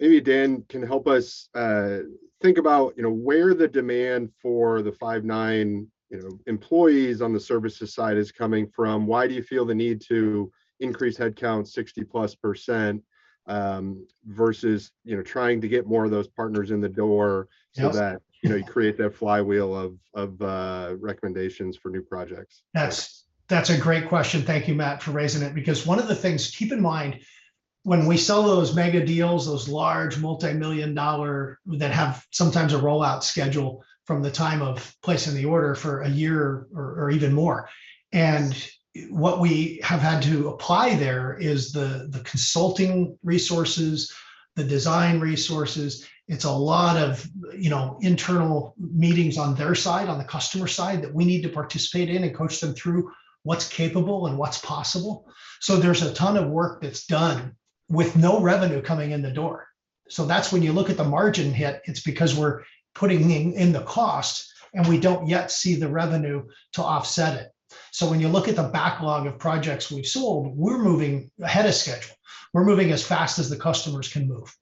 O: Maybe Dan can help us think about, you know, where the demand for the Five9 employees on the services side is coming from. Why do you feel the need to increase head count 60+%, versus, you know, trying to get more of those partners in the door.
C: Yes
O: You know, you create that flywheel of recommendations for new projects.
C: That's a great question. Thank you, Matt, for raising it because one of the things, keep in mind, when we sell those mega deals, those large multi-million-dollar that have sometimes a rollout schedule from the time of placing the order for a year or even more. What we have had to apply there is the consulting resources, the design resources. It's a lot of, you know, internal meetings on their side, on the customer side, that we need to participate in and coach them through what's capable and what's possible. There's a ton of work that's done with no revenue coming in the door. That's when you look at the margin hit, it's because we're putting in the cost, and we don't yet see the revenue to offset it. When you look at the backlog of projects we've sold, we're moving ahead of schedule. We're moving as fast as the customers can move.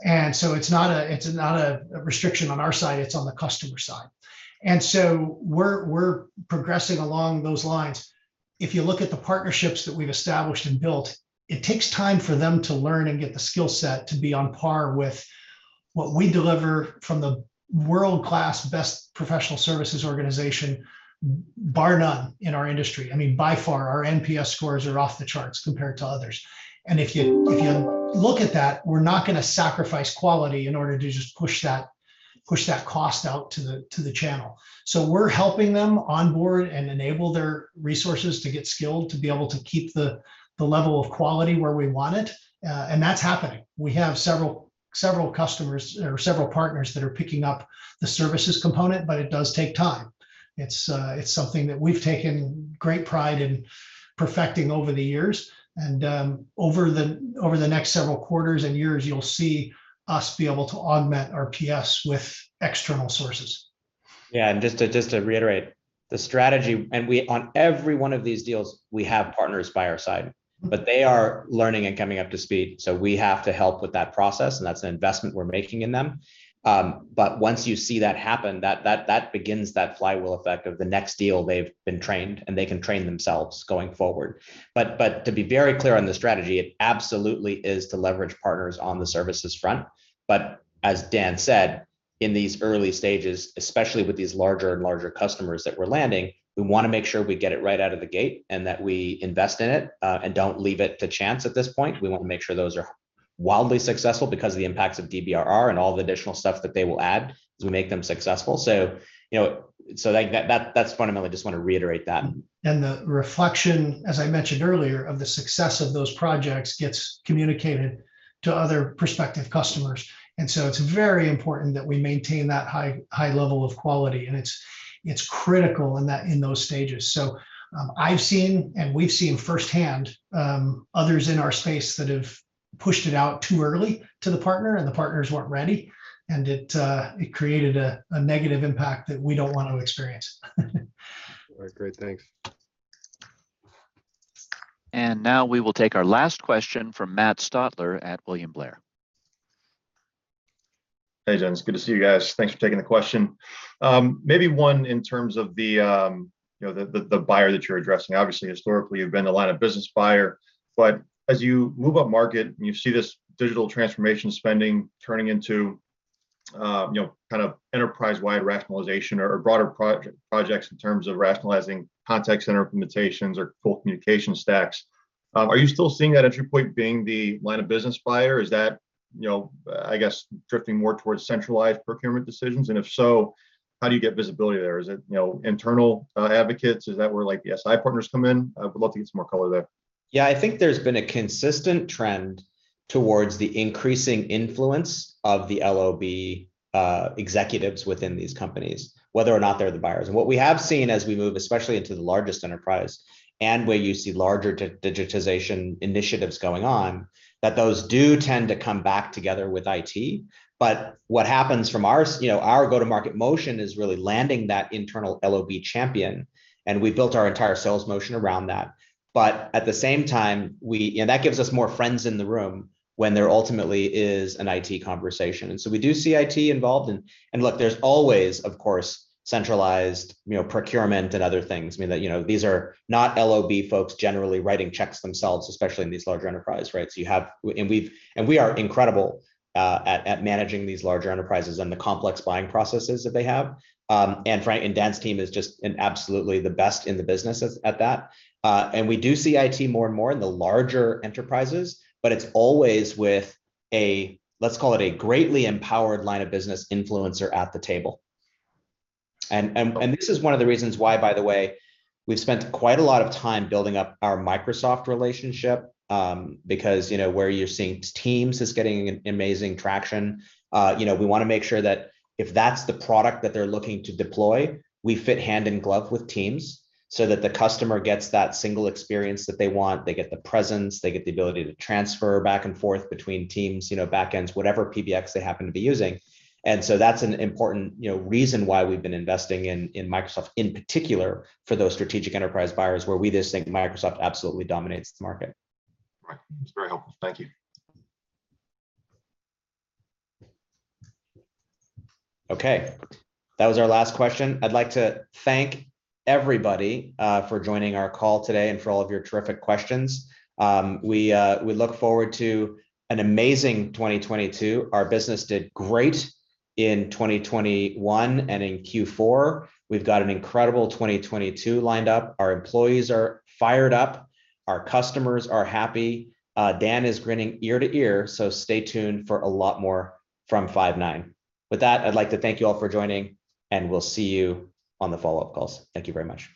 C: It's not a restriction on our side, it's on the customer side. We're progressing along those lines. If you look at the partnerships that we've established and built, it takes time for them to learn and get the skill set to be on par with what we deliver from the world-class best professional services organization, bar none, in our industry. I mean, by far, our NPS scores are off the charts compared to others. If you look at that, we're not gonna sacrifice quality in order to just push that cost out to the channel. We're helping them onboard and enable their resources to get skilled to be able to keep the level of quality where we want it, and that's happening. We have several customers or several partners that are picking up the services component, but it does take time. It's something that we've taken great pride in perfecting over the years and, over the next several quarters and years, you'll see us be able to augment our PS with external sources.
B: Just to reiterate the strategy, on every one of these deals, we have partners by our side. They are learning and coming up to speed, so we have to help with that process, and that's an investment we're making in them. Once you see that happen, that begins that flywheel effect of the next deal they've been trained, and they can train themselves going forward. To be very clear on the strategy, it absolutely is to leverage partners on the services front. As Dan said, in these early stages, especially with these larger and larger customers that we're landing, we want to make sure we get it right out of the gate and that we invest in it, and don't leave it to chance at this point. We want to make sure those are wildly successful because of the impacts of DBRR and all the additional stuff that they will add as we make them successful. You know, so like that's fundamentally just want to reiterate that.
C: The reflection, as I mentioned earlier, of the success of those projects gets communicated to other prospective customers. It's very important that we maintain that high level of quality, and it's critical in that, in those stages. I've seen, and we've seen firsthand, others in our space that have pushed it out too early to the partner, and the partners weren't ready, and it created a negative impact that we don't want to experience.
O: All right. Great. Thanks.
A: Now we will take our last question from Matt Stotler at William Blair.
P: Hey, gents. Good to see you guys. Thanks for taking the question. Maybe one in terms of the, you know, the buyer that you're addressing. Obviously, historically, you've been a line-of-business buyer, but as you move up market and you see this digital transformation spending turning into, you know, kind of enterprise-wide rationalization or broader projects in terms of rationalizing contact center implementations or full communication stacks, are you still seeing that entry point being the line of business buyer? Is that, you know, I guess, drifting more towards centralized procurement decisions? And if so, how do you get visibility there? Is it, you know, internal advocates? Is that where, like, the SI partners come in? I would love to get some more color there.
B: Yeah. I think there's been a consistent trend towards the increasing influence of the LOB executives within these companies, whether or not they're the buyers. What we have seen as we move, especially into the largest enterprise and where you see larger digitization initiatives going on, that those do tend to come back together with IT. What happens from our you know, our go-to-market motion is really landing that internal LOB champion, and we've built our entire sales motion around that. At the same time, we and that gives us more friends in the room when there ultimately is an IT conversation. We do see IT involved. Look, there's always, of course, centralized you know, procurement and other things. I mean, the you know, these are not LOB folks generally writing checks themselves, especially in these larger enterprise, right? You have and we are incredible at managing these larger enterprises and the complex buying processes that they have. Frank and Dan's team is just absolutely the best in the business at that. We do see IT more and more in the larger enterprises, but it's always with a, let's call it a greatly empowered line of business influencer at the table. This is one of the reasons why, by the way, we've spent quite a lot of time building up our Microsoft relationship because, you know, where you're seeing Teams is getting an amazing traction. You know, we wanna make sure that if that's the product that they're looking to deploy, we fit hand in glove with Teams so that the customer gets that single experience that they want. They get the presence, they get the ability to transfer back and forth between Teams, you know, backends, whatever PBX they happen to be using. That's an important, you know, reason why we've been investing in Microsoft in particular for those strategic enterprise buyers where we just think Microsoft absolutely dominates the market.
P: Right. That's very helpful. Thank you.
B: Okay. That was our last question. I'd like to thank everybody for joining our call today and for all of your terrific questions. We look forward to an amazing 2022. Our business did great in 2021 and in Q4. We've got an incredible 2022 lined up. Our employees are fired up. Our customers are happy. Dan is grinning ear to ear, so stay tuned for a lot more from Five9. With that, I'd like to thank you all for joining, and we'll see you on the follow-up calls. Thank you very much.